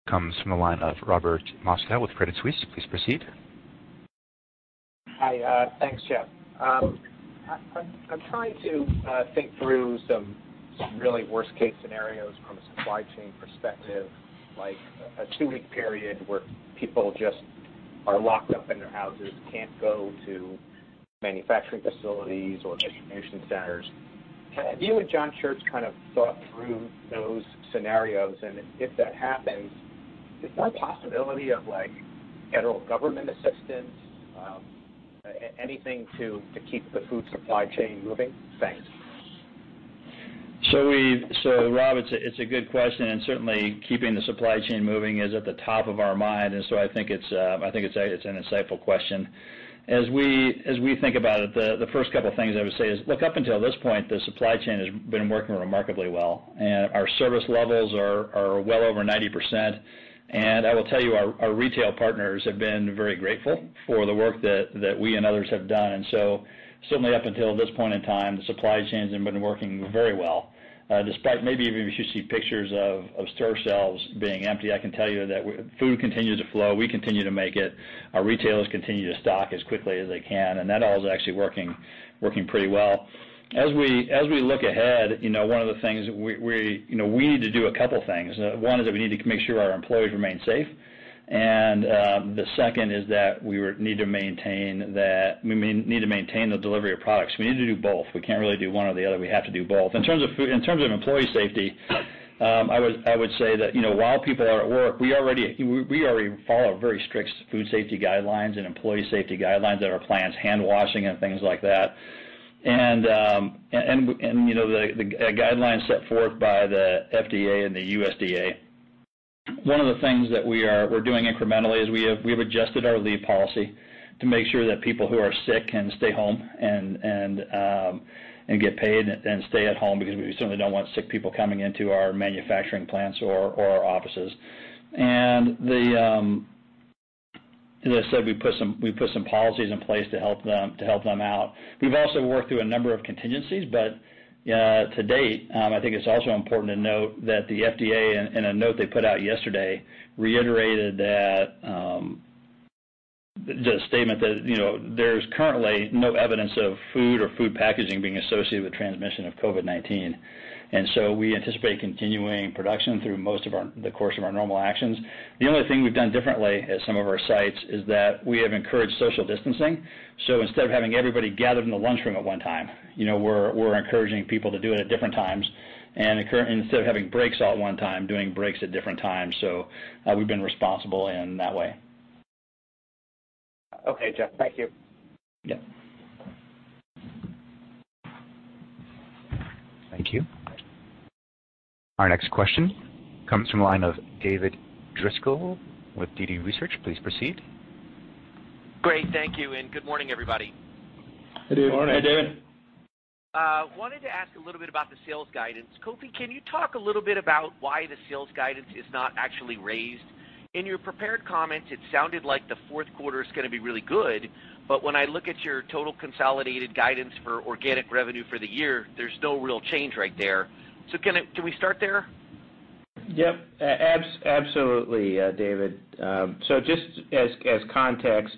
[SPEAKER 1] comes from the line of Robert Moskow with Credit Suisse. Please proceed.
[SPEAKER 8] Hi. Thanks, Jeff. I'm trying to think through some really worst case scenarios from a supply chain perspective, like a two-week period where people just are locked up in their houses, can't go to manufacturing facilities or distribution centers. Have you and John Church thought through those scenarios, and if that happens, is there a possibility of federal government assistance, anything to keep the food supply chain moving? Thanks.
[SPEAKER 3] Rob, it's a good question, certainly keeping the supply chain moving is at the top of our mind, I think it's an insightful question. As we think about it, the first couple of things I would say is, look, up until this point, the supply chain has been working remarkably well. Our service levels are well over 90%. I will tell you, our retail partners have been very grateful for the work that we and others have done. Certainly up until this point in time, the supply chains have been working very well. Despite maybe if you see pictures of store shelves being empty, I can tell you that food continues to flow. We continue to make it. Our retailers continue to stock as quickly as they can, and that all is actually working pretty well. As we look ahead, we need to do a couple things. One is that we need to make sure our employees remain safe, and the second is that we need to maintain the delivery of products. We need to do both. We can't really do one or the other. We have to do both. In terms of employee safety, I would say that while people are at work, we already follow very strict food safety guidelines and employee safety guidelines at our plants, hand washing and things like that. The guidelines set forth by the FDA and the USDA. One of the things that we're doing incrementally is we have adjusted our leave policy to make sure that people who are sick can stay home and get paid and stay at home, because we certainly don't want sick people coming into our manufacturing plants or our offices. As I said, we put some policies in place to help them out. We've also worked through a number of contingencies, but to date, I think it's also important to note that the FDA, in a note they put out yesterday, reiterated the statement that there's currently no evidence of food or food packaging being associated with transmission of COVID-19. We anticipate continuing production through most of the course of our normal actions. The only thing we've done differently at some of our sites is that we have encouraged social distancing. Instead of having everybody gathered in the lunchroom at one time, we're encouraging people to do it at different times. Instead of having breaks all at one time, doing breaks at different times. We've been responsible in that way.
[SPEAKER 8] Okay, Jeff, thank you.
[SPEAKER 3] Yeah.
[SPEAKER 1] Thank you. Our next question comes from the line of David Driscoll with DD Research. Please proceed.
[SPEAKER 9] Great. Thank you, and good morning, everybody.
[SPEAKER 6] Good morning.
[SPEAKER 3] Hey, David.
[SPEAKER 9] Wanted to ask a little bit about the sales guidance. Kofi, can you talk a little bit about why the sales guidance is not actually raised? In your prepared comments, it sounded like the fourth quarter is going to be really good, but when I look at your total consolidated guidance for organic revenue for the year, there's no real change right there. Can we start there?
[SPEAKER 4] Absolutely, David. Just as context,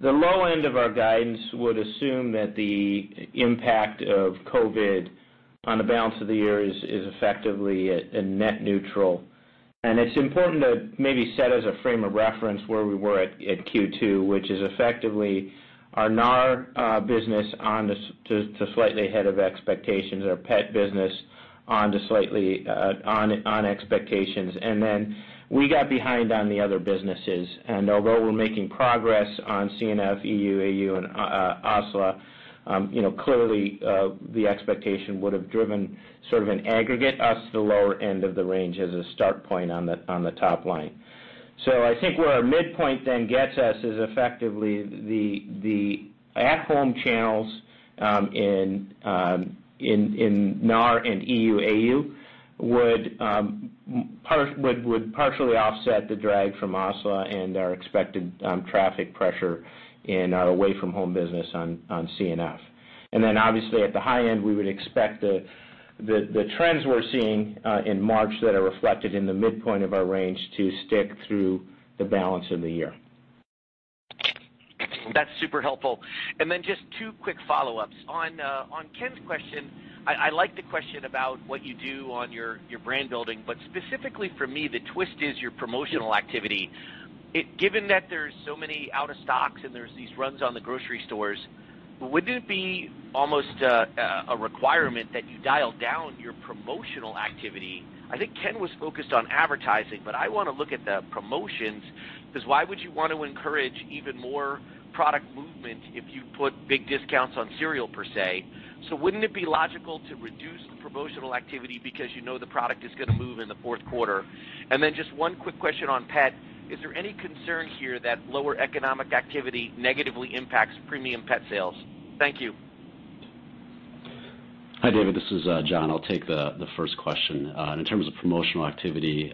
[SPEAKER 4] the low end of our guidance would assume that the impact of COVID on the balance of the year is effectively a net neutral. It's important to maybe set as a frame of reference where we were at Q2, which is effectively our NAR business on to slightly ahead of expectations. Our pet business on expectations. Then we got behind on the other businesses. Although we're making progress on C&F, EU, AU, and OSLA, clearly, the expectation would have driven sort of an aggregate us the lower end of the range as a start point on the top line. I think where our midpoint then gets us is effectively the at-home channels in NAR and EU, AU would partially offset the drag from OSLA and our expected traffic pressure in our away from home business on C&F. Obviously at the high end, we would expect the trends we're seeing in March that are reflected in the midpoint of our range to stick through the balance of the year.
[SPEAKER 9] That's super helpful. Just two quick follow-ups. On Ken's question, I like the question about what you do on your brand building, specifically for me, the twist is your promotional activity. Given that there's so many out of stocks and there's these runs on the grocery stores, wouldn't it be almost a requirement that you dial down your promotional activity? I think Ken was focused on advertising, but I want to look at the promotions, because why would you want to encourage even more product movement if you put big discounts on cereal, per se? Wouldn't it be logical to reduce the promotional activity because you know the product is going to move in the fourth quarter? Just one quick question on pet. Is there any concern here that lower economic activity negatively impacts premium pet sales? Thank you.
[SPEAKER 6] Hi, David. This is Jon. I'll take the first question. In terms of promotional activity,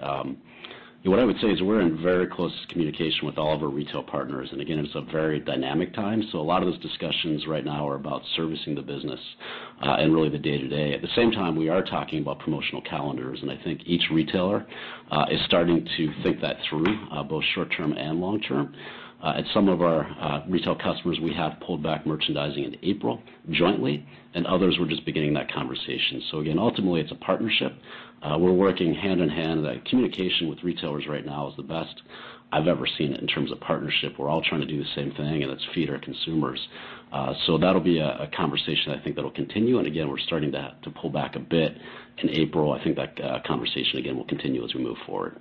[SPEAKER 6] what I would say is we're in very close communication with all of our retail partners. Again, it's a very dynamic time, a lot of those discussions right now are about servicing the business and really the day-to-day. At the same time, we are talking about promotional calendars, I think each retailer is starting to think that through, both short term and long term. At some of our retail customers, we have pulled back merchandising in April jointly, others we're just beginning that conversation. Again, ultimately, it's a partnership. We're working hand-in-hand. The communication with retailers right now is the best I've ever seen it in terms of partnership. We're all trying to do the same thing, it's feed our consumers. That'll be a conversation I think that'll continue. Again, we're starting to pull back a bit in April. I think that conversation again will continue as we move forward.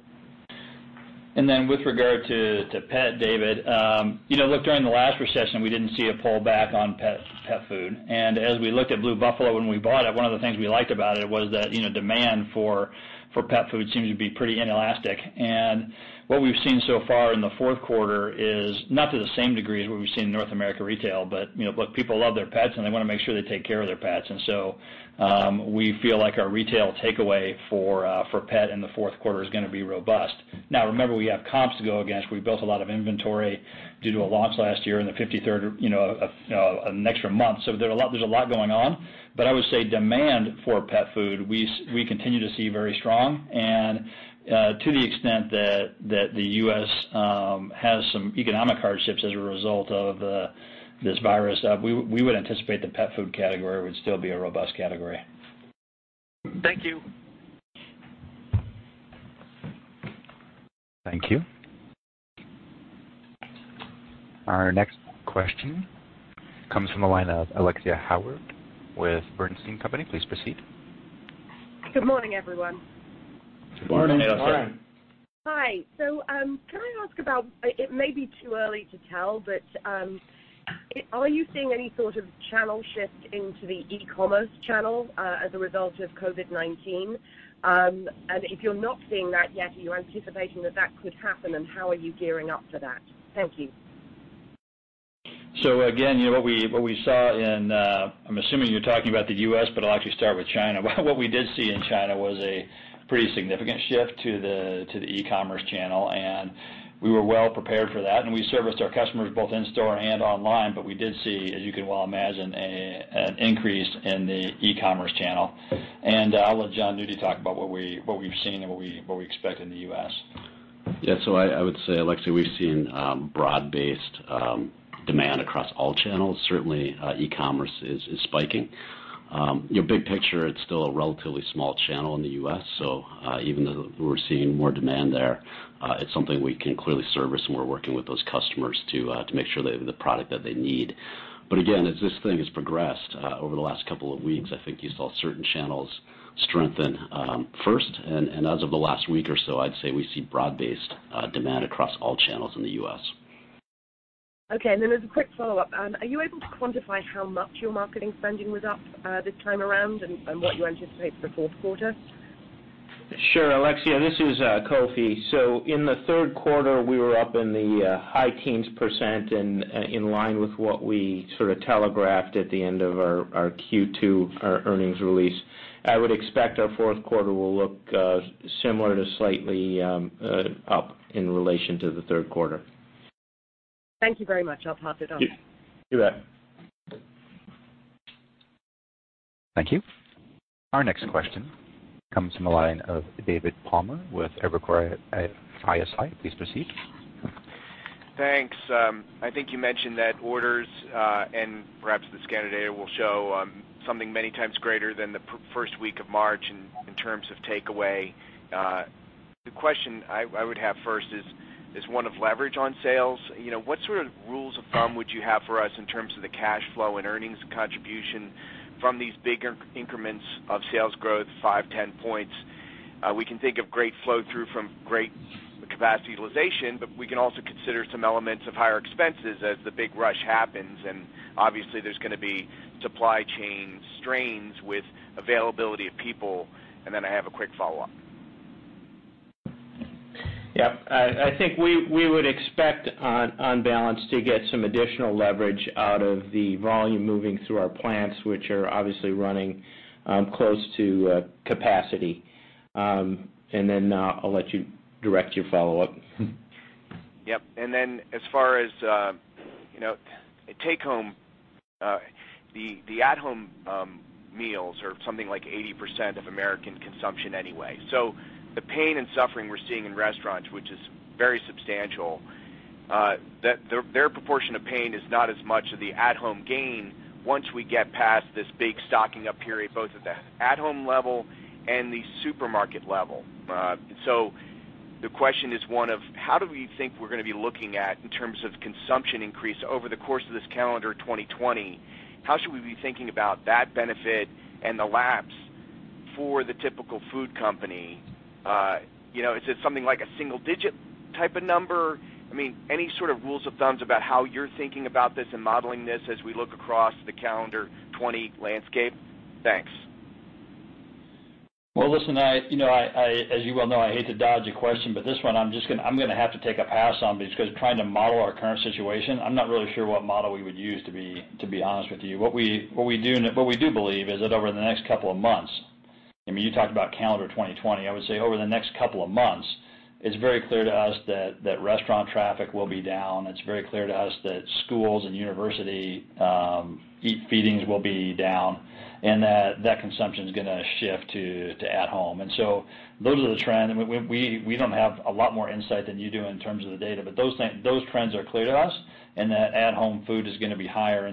[SPEAKER 3] With regard to pet, David, look, during the last recession, we didn't see a pullback on pet food. As we looked at Blue Buffalo when we bought it, one of the things we liked about it was that demand for pet food seems to be pretty inelastic. What we've seen so far in the fourth quarter is not to the same degree as what we've seen in North America Retail, but look, people love their pets and they want to make sure they take care of their pets. We feel like our retail takeaway for pet in the fourth quarter is going to be robust. Now remember, we have comps to go against. We built a lot of inventory due to a launch last year in the 53rd, an extra month. There's a lot going on. I would say demand for pet food, we continue to see very strong. To the extent that the U.S. has some economic hardships as a result of this virus, we would anticipate the pet food category would still be a robust category.
[SPEAKER 9] Thank you.
[SPEAKER 1] Thank you. Our next question comes from the line of Alexia Howard with Bernstein. Please proceed.
[SPEAKER 10] Good morning, everyone.
[SPEAKER 3] Good morning.
[SPEAKER 6] Good morning.
[SPEAKER 10] Hi. It may be too early to tell, but are you seeing any sort of channel shift into the e-commerce channel as a result of COVID-19? If you're not seeing that yet, are you anticipating that that could happen and how are you gearing up for that? Thank you.
[SPEAKER 3] Again, what we saw in I'm assuming you're talking about the U.S., but I'll actually start with China. What we did see in China was a pretty significant shift to the e-commerce channel, and we were well prepared for that, and we serviced our customers both in-store and online. We did see, as you can well imagine, an increase in the e-commerce channel. I'll let Jon Nudi talk about what we've seen and what we expect in the U.S.
[SPEAKER 6] I would say, Alexia, we've seen broad-based demand across all channels. Certainly, e-commerce is spiking. Big picture, it's still a relatively small channel in the U.S. Even though we're seeing more demand there, it's something we can clearly service, and we're working with those customers to make sure they have the product that they need. Again, as this thing has progressed over the last couple of weeks, I think you saw certain channels strengthen first, and as of the last week or so, I'd say we see broad-based demand across all channels in the U.S.
[SPEAKER 10] Okay, as a quick follow-up. Are you able to quantify how much your marketing spending was up this time around and what you anticipate for the fourth quarter?
[SPEAKER 4] Sure, Alexia, this is Kofi. In the third quarter, we were up in the high teens% in line with what we sort of telegraphed at the end of our Q2, our earnings release. I would expect our fourth quarter will look similar to slightly up in relation to the third quarter.
[SPEAKER 10] Thank you very much. I'll pass it on.
[SPEAKER 4] You bet.
[SPEAKER 1] Thank you. Our next question comes from the line of David Palmer with Evercore ISI. Please proceed.
[SPEAKER 11] Thanks. I think you mentioned that orders, perhaps the scan data will show something many times greater than the first week of March in terms of takeaway. The question I would have first is one of leverage on sales. What sort of rules of thumb would you have for us in terms of the cash flow and earnings contribution from these bigger increments of sales growth, 5 points, 10 points? We can think of great flow-through from great capacity utilization. We can also consider some elements of higher expenses as the big rush happens, obviously, there's going to be supply chain strains with availability of people. I have a quick follow-up.
[SPEAKER 3] Yeah. I think we would expect on balance to get some additional leverage out of the volume moving through our plants, which are obviously running close to capacity. I'll let you direct your follow-up.
[SPEAKER 11] Yep. As far as take-home, the at-home meals are something like 80% of American consumption anyway. The pain and suffering we're seeing in restaurants, which is very substantial, their proportion of pain is not as much of the at-home gain once we get past this big stocking-up period, both at the at-home level and the supermarket level. The question is one of how do we think we're going to be looking at in terms of consumption increase over the course of this calendar 2020? How should we be thinking about that benefit and the lapse for the typical food company? Is it something like a single-digit type of number? Any sort of rules of thumb about how you're thinking about this and modeling this as we look across the calendar 2020 landscape? Thanks.
[SPEAKER 3] Listen, as you well know, I hate to dodge a question, but this one I'm going to have to take a pass on because trying to model our current situation, I'm not really sure what model we would use, to be honest with you. What we do believe is that over the next couple of months, you talked about calendar 2020, I would say over the next couple of months, it's very clear to us that restaurant traffic will be down. It's very clear to us that schools and university feedings will be down, that consumption is going to shift to at home. Those are the trends. We don't have a lot more insight than you do in terms of the data, those trends are clear to us, and that at-home food is going to be higher.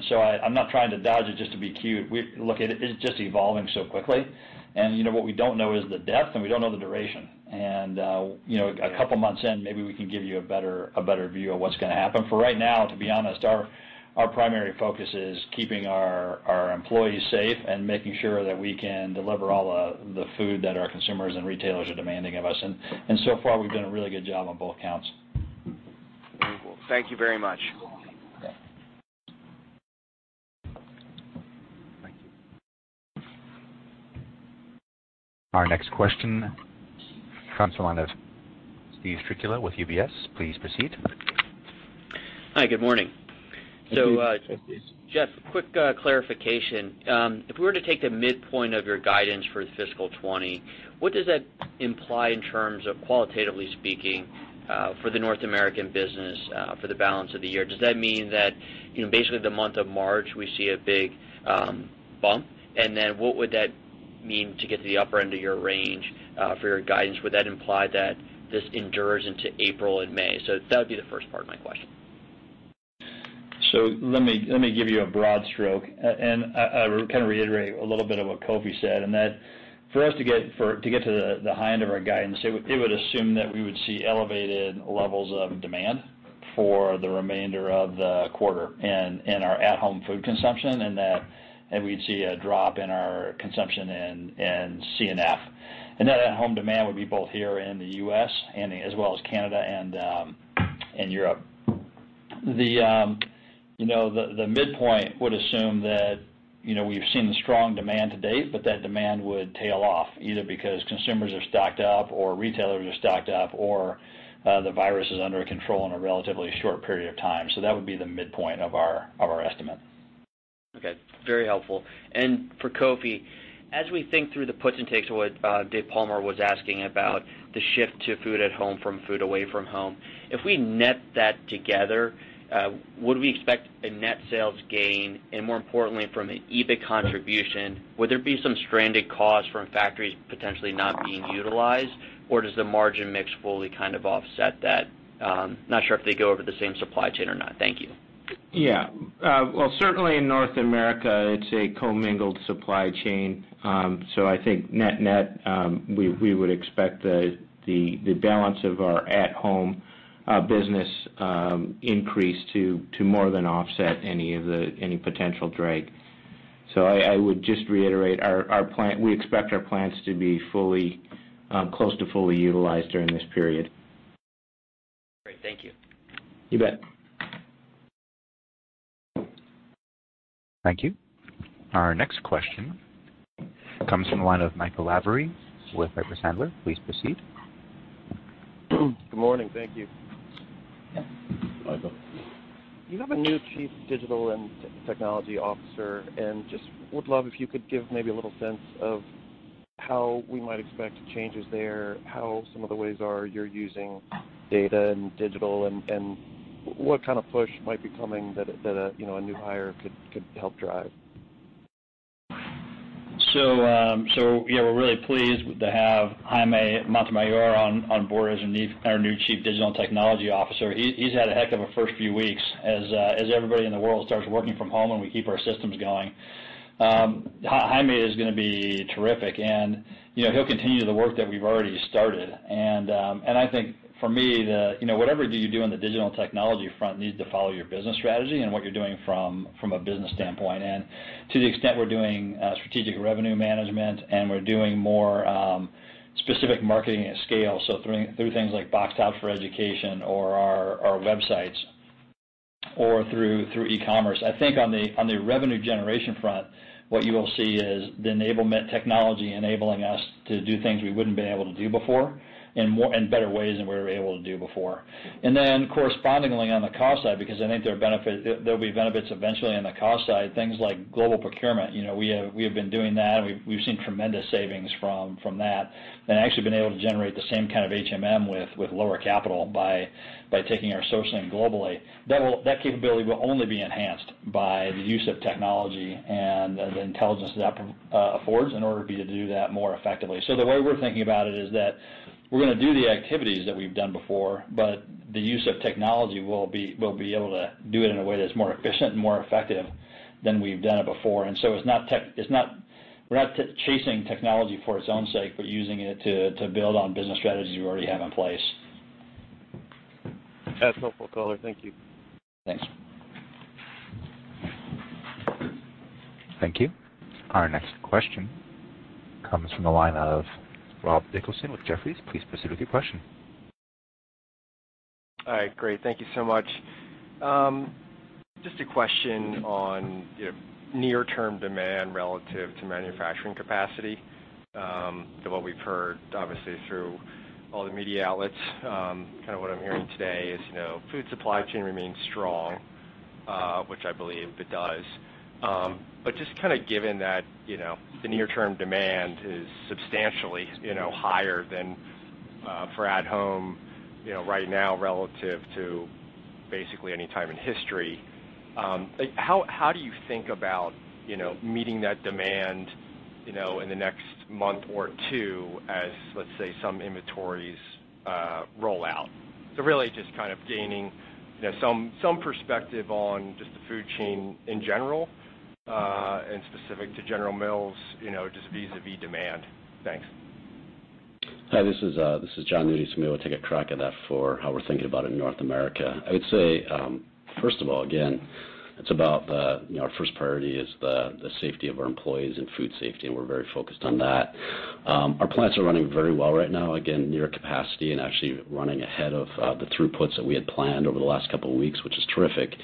[SPEAKER 3] I'm not trying to dodge it just to be cute. Look, it is just evolving so quickly. What we don't know is the depth, and we don't know the duration. A couple of months in, maybe we can give you a better view of what's going to happen. For right now, to be honest, our primary focus is keeping our employees safe and making sure that we can deliver all the food that our consumers and retailers are demanding of us. So far, we've done a really good job on both counts.
[SPEAKER 11] Very cool. Thank you very much.
[SPEAKER 3] Okay.
[SPEAKER 1] Thank you. Our next question comes from the line of Steven Strycula with UBS. Please proceed.
[SPEAKER 12] Hi, good morning.
[SPEAKER 3] Good morning.
[SPEAKER 12] Jeff, quick clarification. If we were to take the midpoint of your guidance for fiscal 2020, what does that imply in terms of qualitatively speaking for the North American business for the balance of the year? Does that mean that basically the month of March, we see a big bump? What would that mean to get to the upper end of your range for your guidance? Would that imply that this endures into April and May? That would be the first part of my question.
[SPEAKER 3] Let me give you a broad stroke, and I will kind of reiterate a little bit of what Kofi said, in that for us to get to the high end of our guidance, it would assume that we would see elevated levels of demand for the remainder of the quarter in our at-home food consumption, and that we'd see a drop in our consumption in C&F. That at-home demand would be both here in the U.S. and as well as Canada and Europe. The midpoint would assume that we've seen the strong demand to date, but that demand would tail off either because consumers are stocked up or retailers are stocked up or the virus is under control in a relatively short period of time. That would be the midpoint of our estimate.
[SPEAKER 12] Okay. Very helpful. For Kofi, as we think through the puts and takes of what Dave Palmer was asking about the shift to food at home from food away from home, if we net that together, would we expect a net sales gain? More importantly, from an EBIT contribution, would there be some stranded costs from factories potentially not being utilized? Does the margin mix fully kind of offset that? Not sure if they go over the same supply chain or not. Thank you.
[SPEAKER 4] Yeah. Well, certainly in North America, it's a commingled supply chain. I think net-net, we would expect the balance of our at-home business increase to more than offset any potential drag. I would just reiterate, we expect our plants to be close to fully utilized during this period.
[SPEAKER 12] Great. Thank you.
[SPEAKER 4] You bet.
[SPEAKER 1] Thank you. Our next question comes from the line of Michael Lavery with Piper Sandler. Please proceed.
[SPEAKER 13] Good morning. Thank you.
[SPEAKER 3] Michael.
[SPEAKER 13] You have a new Chief Digital and Technology Officer, and just would love if you could give maybe a little sense of how we might expect changes there, how some of the ways are you're using data and digital, and what kind of push might be coming that a new hire could help drive.
[SPEAKER 3] Yeah, we're really pleased to have Jaime Montemayor on board as our new Chief Digital and Technology Officer. He's had a heck of a first few weeks as everybody in the world starts working from home, and we keep our systems going. Jaime is going to be terrific, and he'll continue the work that we've already started. I think for me, whatever you do on the digital technology front needs to follow your business strategy and what you're doing from a business standpoint. To the extent we're doing strategic revenue management and we're doing more specific marketing at scale, through things like Box Tops for Education or our websites or through e-commerce. I think on the revenue generation front, what you will see is the enablement technology enabling us to do things we wouldn't have been able to do before and in better ways than we were able to do before. Correspondingly on the cost side, because I think there'll be benefits eventually on the cost side, things like global procurement. We have been doing that, and we've seen tremendous savings from that and actually been able to generate the same kind of HMM with lower capital by taking our sourcing globally. That capability will only be enhanced by the use of technology and the intelligence that affords in order to be able to do that more effectively. The way we're thinking about it is that we're going to do the activities that we've done before, but the use of technology, we'll be able to do it in a way that's more efficient and more effective than we've done it before. We're not chasing technology for its own sake, we're using it to build on business strategies we already have in place.
[SPEAKER 13] That's helpful color. Thank you.
[SPEAKER 3] Thanks.
[SPEAKER 1] Thank you. Our next question comes from the line of Rob Dickerson with Jefferies. Please proceed with your question.
[SPEAKER 14] All right, great. Thank you so much. Just a question on near-term demand relative to manufacturing capacity to what we've heard, obviously, through all the media outlets. Kind of what I'm hearing today is food supply chain remains strong, which I believe it does. Just kind of given that the near-term demand is substantially higher than for at home right now relative to basically any time in history. How do you think about meeting that demand in the next month or two as, let's say, some inventories roll out? Really just kind of gaining some perspective on just the food chain in general, and specific to General Mills, just vis-à-vis demand. Thanks.
[SPEAKER 6] Hi, this is Jon Nudi. Maybe we'll take a crack at that for how we're thinking about it in North America. I would say, first of all, again, our first priority is the safety of our employees and food safety, and we're very focused on that. Our plants are running very well right now, again, near capacity and actually running ahead of the throughputs that we had planned over the last couple of weeks, which is terrific.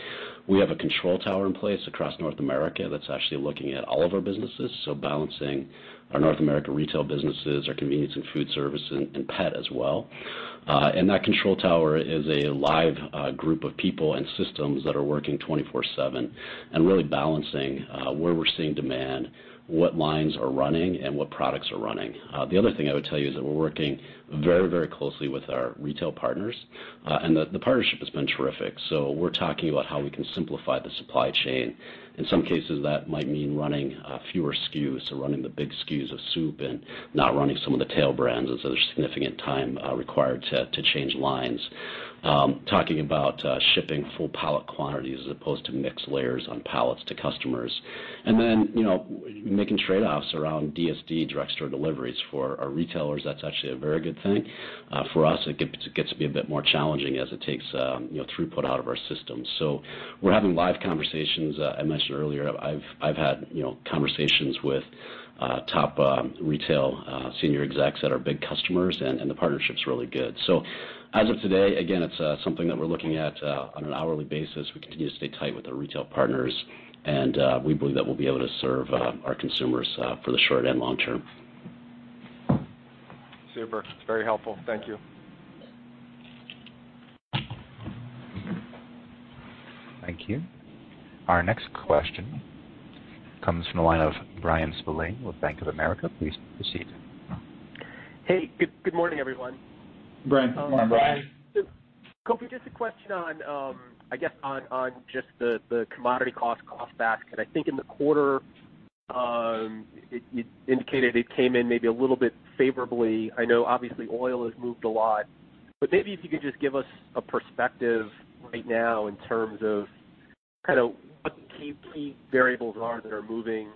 [SPEAKER 6] We have a control tower in place across North America that's actually looking at all of our businesses, so balancing our North America Retail businesses, our Convenience & Foodservice and pet as well. That control tower is a live group of people and systems that are working 24/7 and really balancing where we're seeing demand, what lines are running, and what products are running. The other thing I would tell you is that we're working very closely with our retail partners, and the partnership has been terrific. We're talking about how we can simplify the supply chain. In some cases, that might mean running fewer SKUs, so running the big SKUs of soup and not running some of the tail brands as there's significant time required to change lines. We're talking about shipping full pallet quantities as opposed to mixed layers on pallets to customers. We're making trade-offs around DSD, direct store deliveries. For our retailers, that's actually a very good thing. For us, it gets to be a bit more challenging as it takes throughput out of our system. We're having live conversations. I mentioned earlier I've had conversations with top retail senior execs that are big customers, and the partnership's really good. As of today, again, it's something that we're looking at on an hourly basis. We continue to stay tight with our retail partners, and we believe that we'll be able to serve our consumers for the short and long term.
[SPEAKER 14] Super. It's very helpful. Thank you.
[SPEAKER 1] Thank you. Our next question comes from the line of Bryan Spillane with Bank of America. Please proceed.
[SPEAKER 15] Hey, good morning, everyone.
[SPEAKER 3] Bryan, good morning.
[SPEAKER 4] Good morning, Bryan.
[SPEAKER 15] Kofi, just a question on, I guess on just the commodity cost basket. I think in the quarter, you indicated it came in maybe a little bit favorably. I know obviously oil has moved a lot, but maybe if you could just give us a perspective right now in terms of what the key variables are that are moving,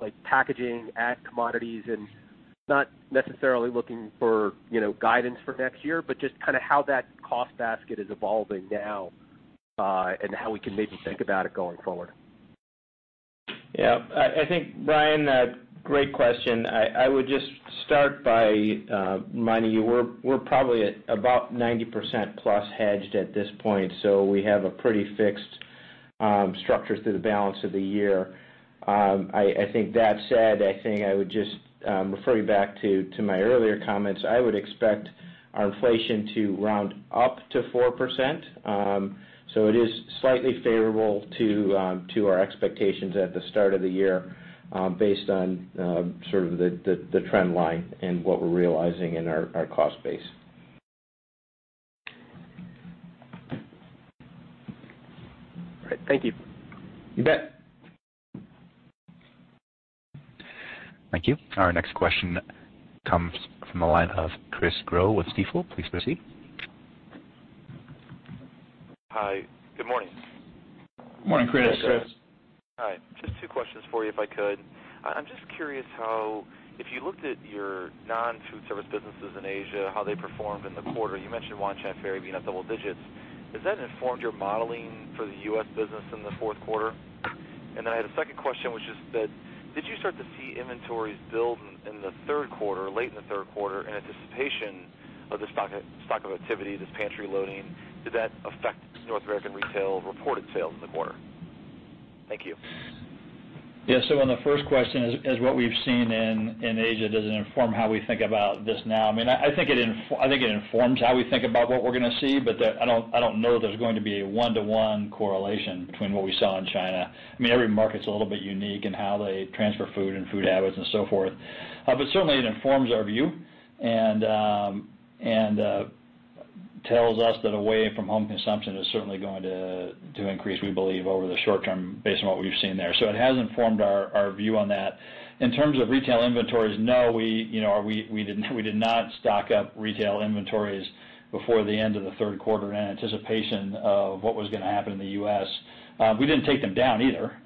[SPEAKER 15] like packaging, ag commodities, and not necessarily looking for guidance for next year, but just how that cost basket is evolving now and how we can maybe think about it going forward.
[SPEAKER 4] I think, Bryan, great question. I would just start by reminding you we're probably at about 90%+ hedged at this point, we have a pretty fixed structure through the balance of the year. I think that said, I think I would just refer you back to my earlier comments. I would expect our inflation to round up to 4%, it is slightly favorable to our expectations at the start of the year, based on sort of the trend line and what we're realizing in our cost base.
[SPEAKER 15] All right. Thank you.
[SPEAKER 4] You bet.
[SPEAKER 1] Thank you. Our next question comes from the line of Chris Growe with Stifel. Please proceed.
[SPEAKER 16] Hi. Good morning.
[SPEAKER 3] Good morning, Chris.
[SPEAKER 6] Yes, Chris.
[SPEAKER 16] All right. Just two questions for you, if I could. I'm just curious how, if you looked at your non-food service businesses in Asia, how they performed in the quarter. You mentioned Wanchai Ferry being up double digits. Has that informed your modeling for the U.S. business in the fourth quarter? I had a second question, which is that did you start to see inventories build in the third quarter, late in the third quarter, in anticipation of the stock of activity, this pantry loading? Did that affect North America Retail reported sales in the quarter? Thank you.
[SPEAKER 3] On the first question, has what we've seen in Asia, does it inform how we think about this now? I think it informs how we think about what we're going to see, but I don't know that there's going to be a one-to-one correlation between what we saw in China. Every market's a little bit unique in how they transfer food and food habits and so forth. Certainly, it informs our view and tells us that away-from-home consumption is certainly going to increase, we believe, over the short term based on what we've seen there. It has informed our view on that. In terms of retail inventories, no, we did not stock up retail inventories before the end of the third quarter in anticipation of what was going to happen in the U.S. We didn't take them down either.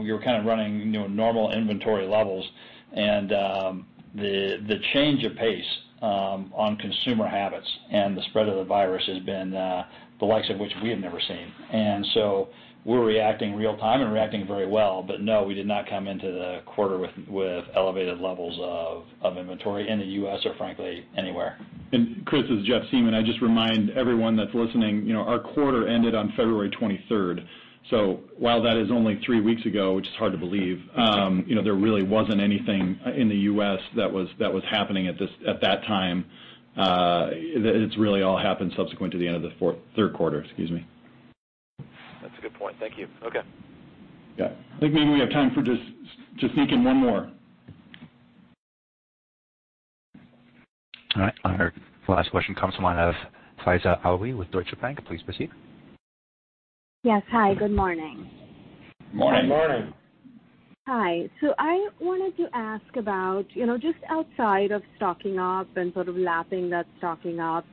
[SPEAKER 3] We were kind of running normal inventory levels and the change of pace on consumer habits and the spread of the virus has been the likes of which we have never seen. We're reacting real time and reacting very well. No, we did not come into the quarter with elevated levels of inventory in the U.S. or frankly, anywhere.
[SPEAKER 2] Chris, this is Jeff Siemon. I'd just remind everyone that's listening, our quarter ended on February 23rd. While that is only three weeks ago, which is hard to believe, there really wasn't anything in the U.S. that was happening at that time. It's really all happened subsequent to the end of the third quarter. Excuse me.
[SPEAKER 16] That's a good point. Thank you. Okay.
[SPEAKER 2] Yeah. I think maybe we have time for just to sneak in one more.
[SPEAKER 1] All right. Our last question comes from the line of Faiza Alwy with Deutsche Bank. Please proceed.
[SPEAKER 17] Yes. Hi, good morning.
[SPEAKER 3] Morning.
[SPEAKER 6] Good morning.
[SPEAKER 17] Hi. I wanted to ask about, just outside of stocking up and sort of lapping that stocking up,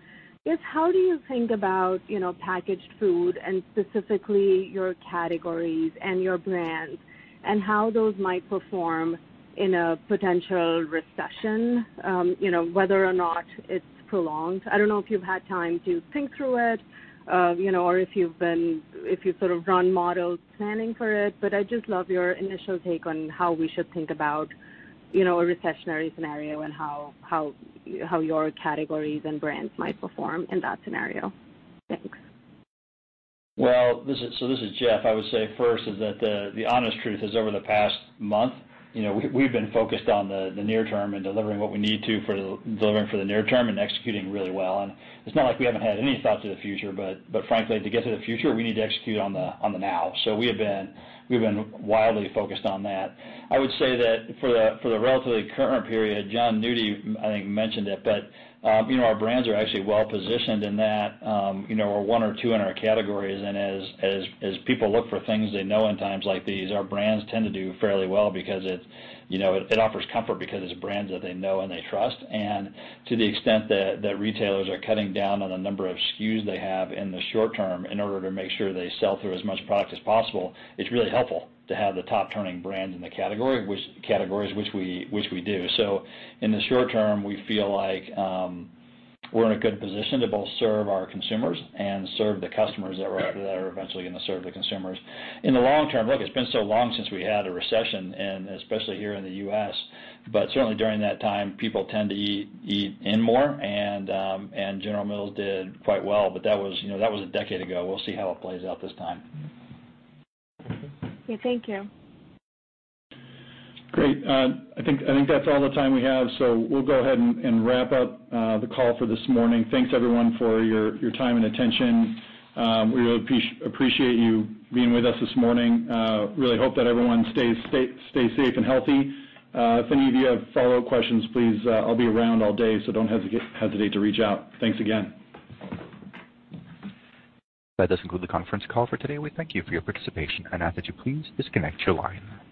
[SPEAKER 17] just how do you think about packaged food and specifically your categories and your brands, and how those might perform in a potential recession, whether or not it's prolonged? I don't know if you've had time to think through it, or if you've sort of run models planning for it, but I'd just love your initial take on how we should think about a recessionary scenario and how your categories and brands might perform in that scenario. Thanks.
[SPEAKER 3] This is Jeff. I would say first is that the honest truth is over the past month, we've been focused on the near term and delivering what we need to for delivering for the near term and executing really well. It's not like we haven't had any thought to the future, but frankly, to get to the future, we need to execute on the now. We have been wildly focused on that. I would say that for the relatively current period, Jon Nudi, I think, mentioned it, but our brands are actually well positioned in that we're one or two in our categories, and as people look for things they know in times like these, our brands tend to do fairly well because it offers comfort because it's brands that they know and they trust. To the extent that retailers are cutting down on the number of SKUs they have in the short term in order to make sure they sell through as much product as possible, it's really helpful to have the top turning brands in the categories, which we do. In the short term, we feel like we're in a good position to both serve our consumers and serve the customers that are eventually going to serve the consumers. In the long term, look, it's been so long since we had a recession, and especially here in the U.S., but certainly during that time, people tend to eat in more, and General Mills did quite well. That was a decade ago. We'll see how it plays out this time.
[SPEAKER 17] Okay. Thank you.
[SPEAKER 2] Great. I think that's all the time we have, so we'll go ahead and wrap up the call for this morning. Thanks everyone for your time and attention. We really appreciate you being with us this morning. Really hope that everyone stays safe and healthy. If any of you have follow-up questions, please, I'll be around all day, so don't hesitate to reach out. Thanks again.
[SPEAKER 1] That does conclude the conference call for today. We thank you for your participation and ask that you please disconnect your line.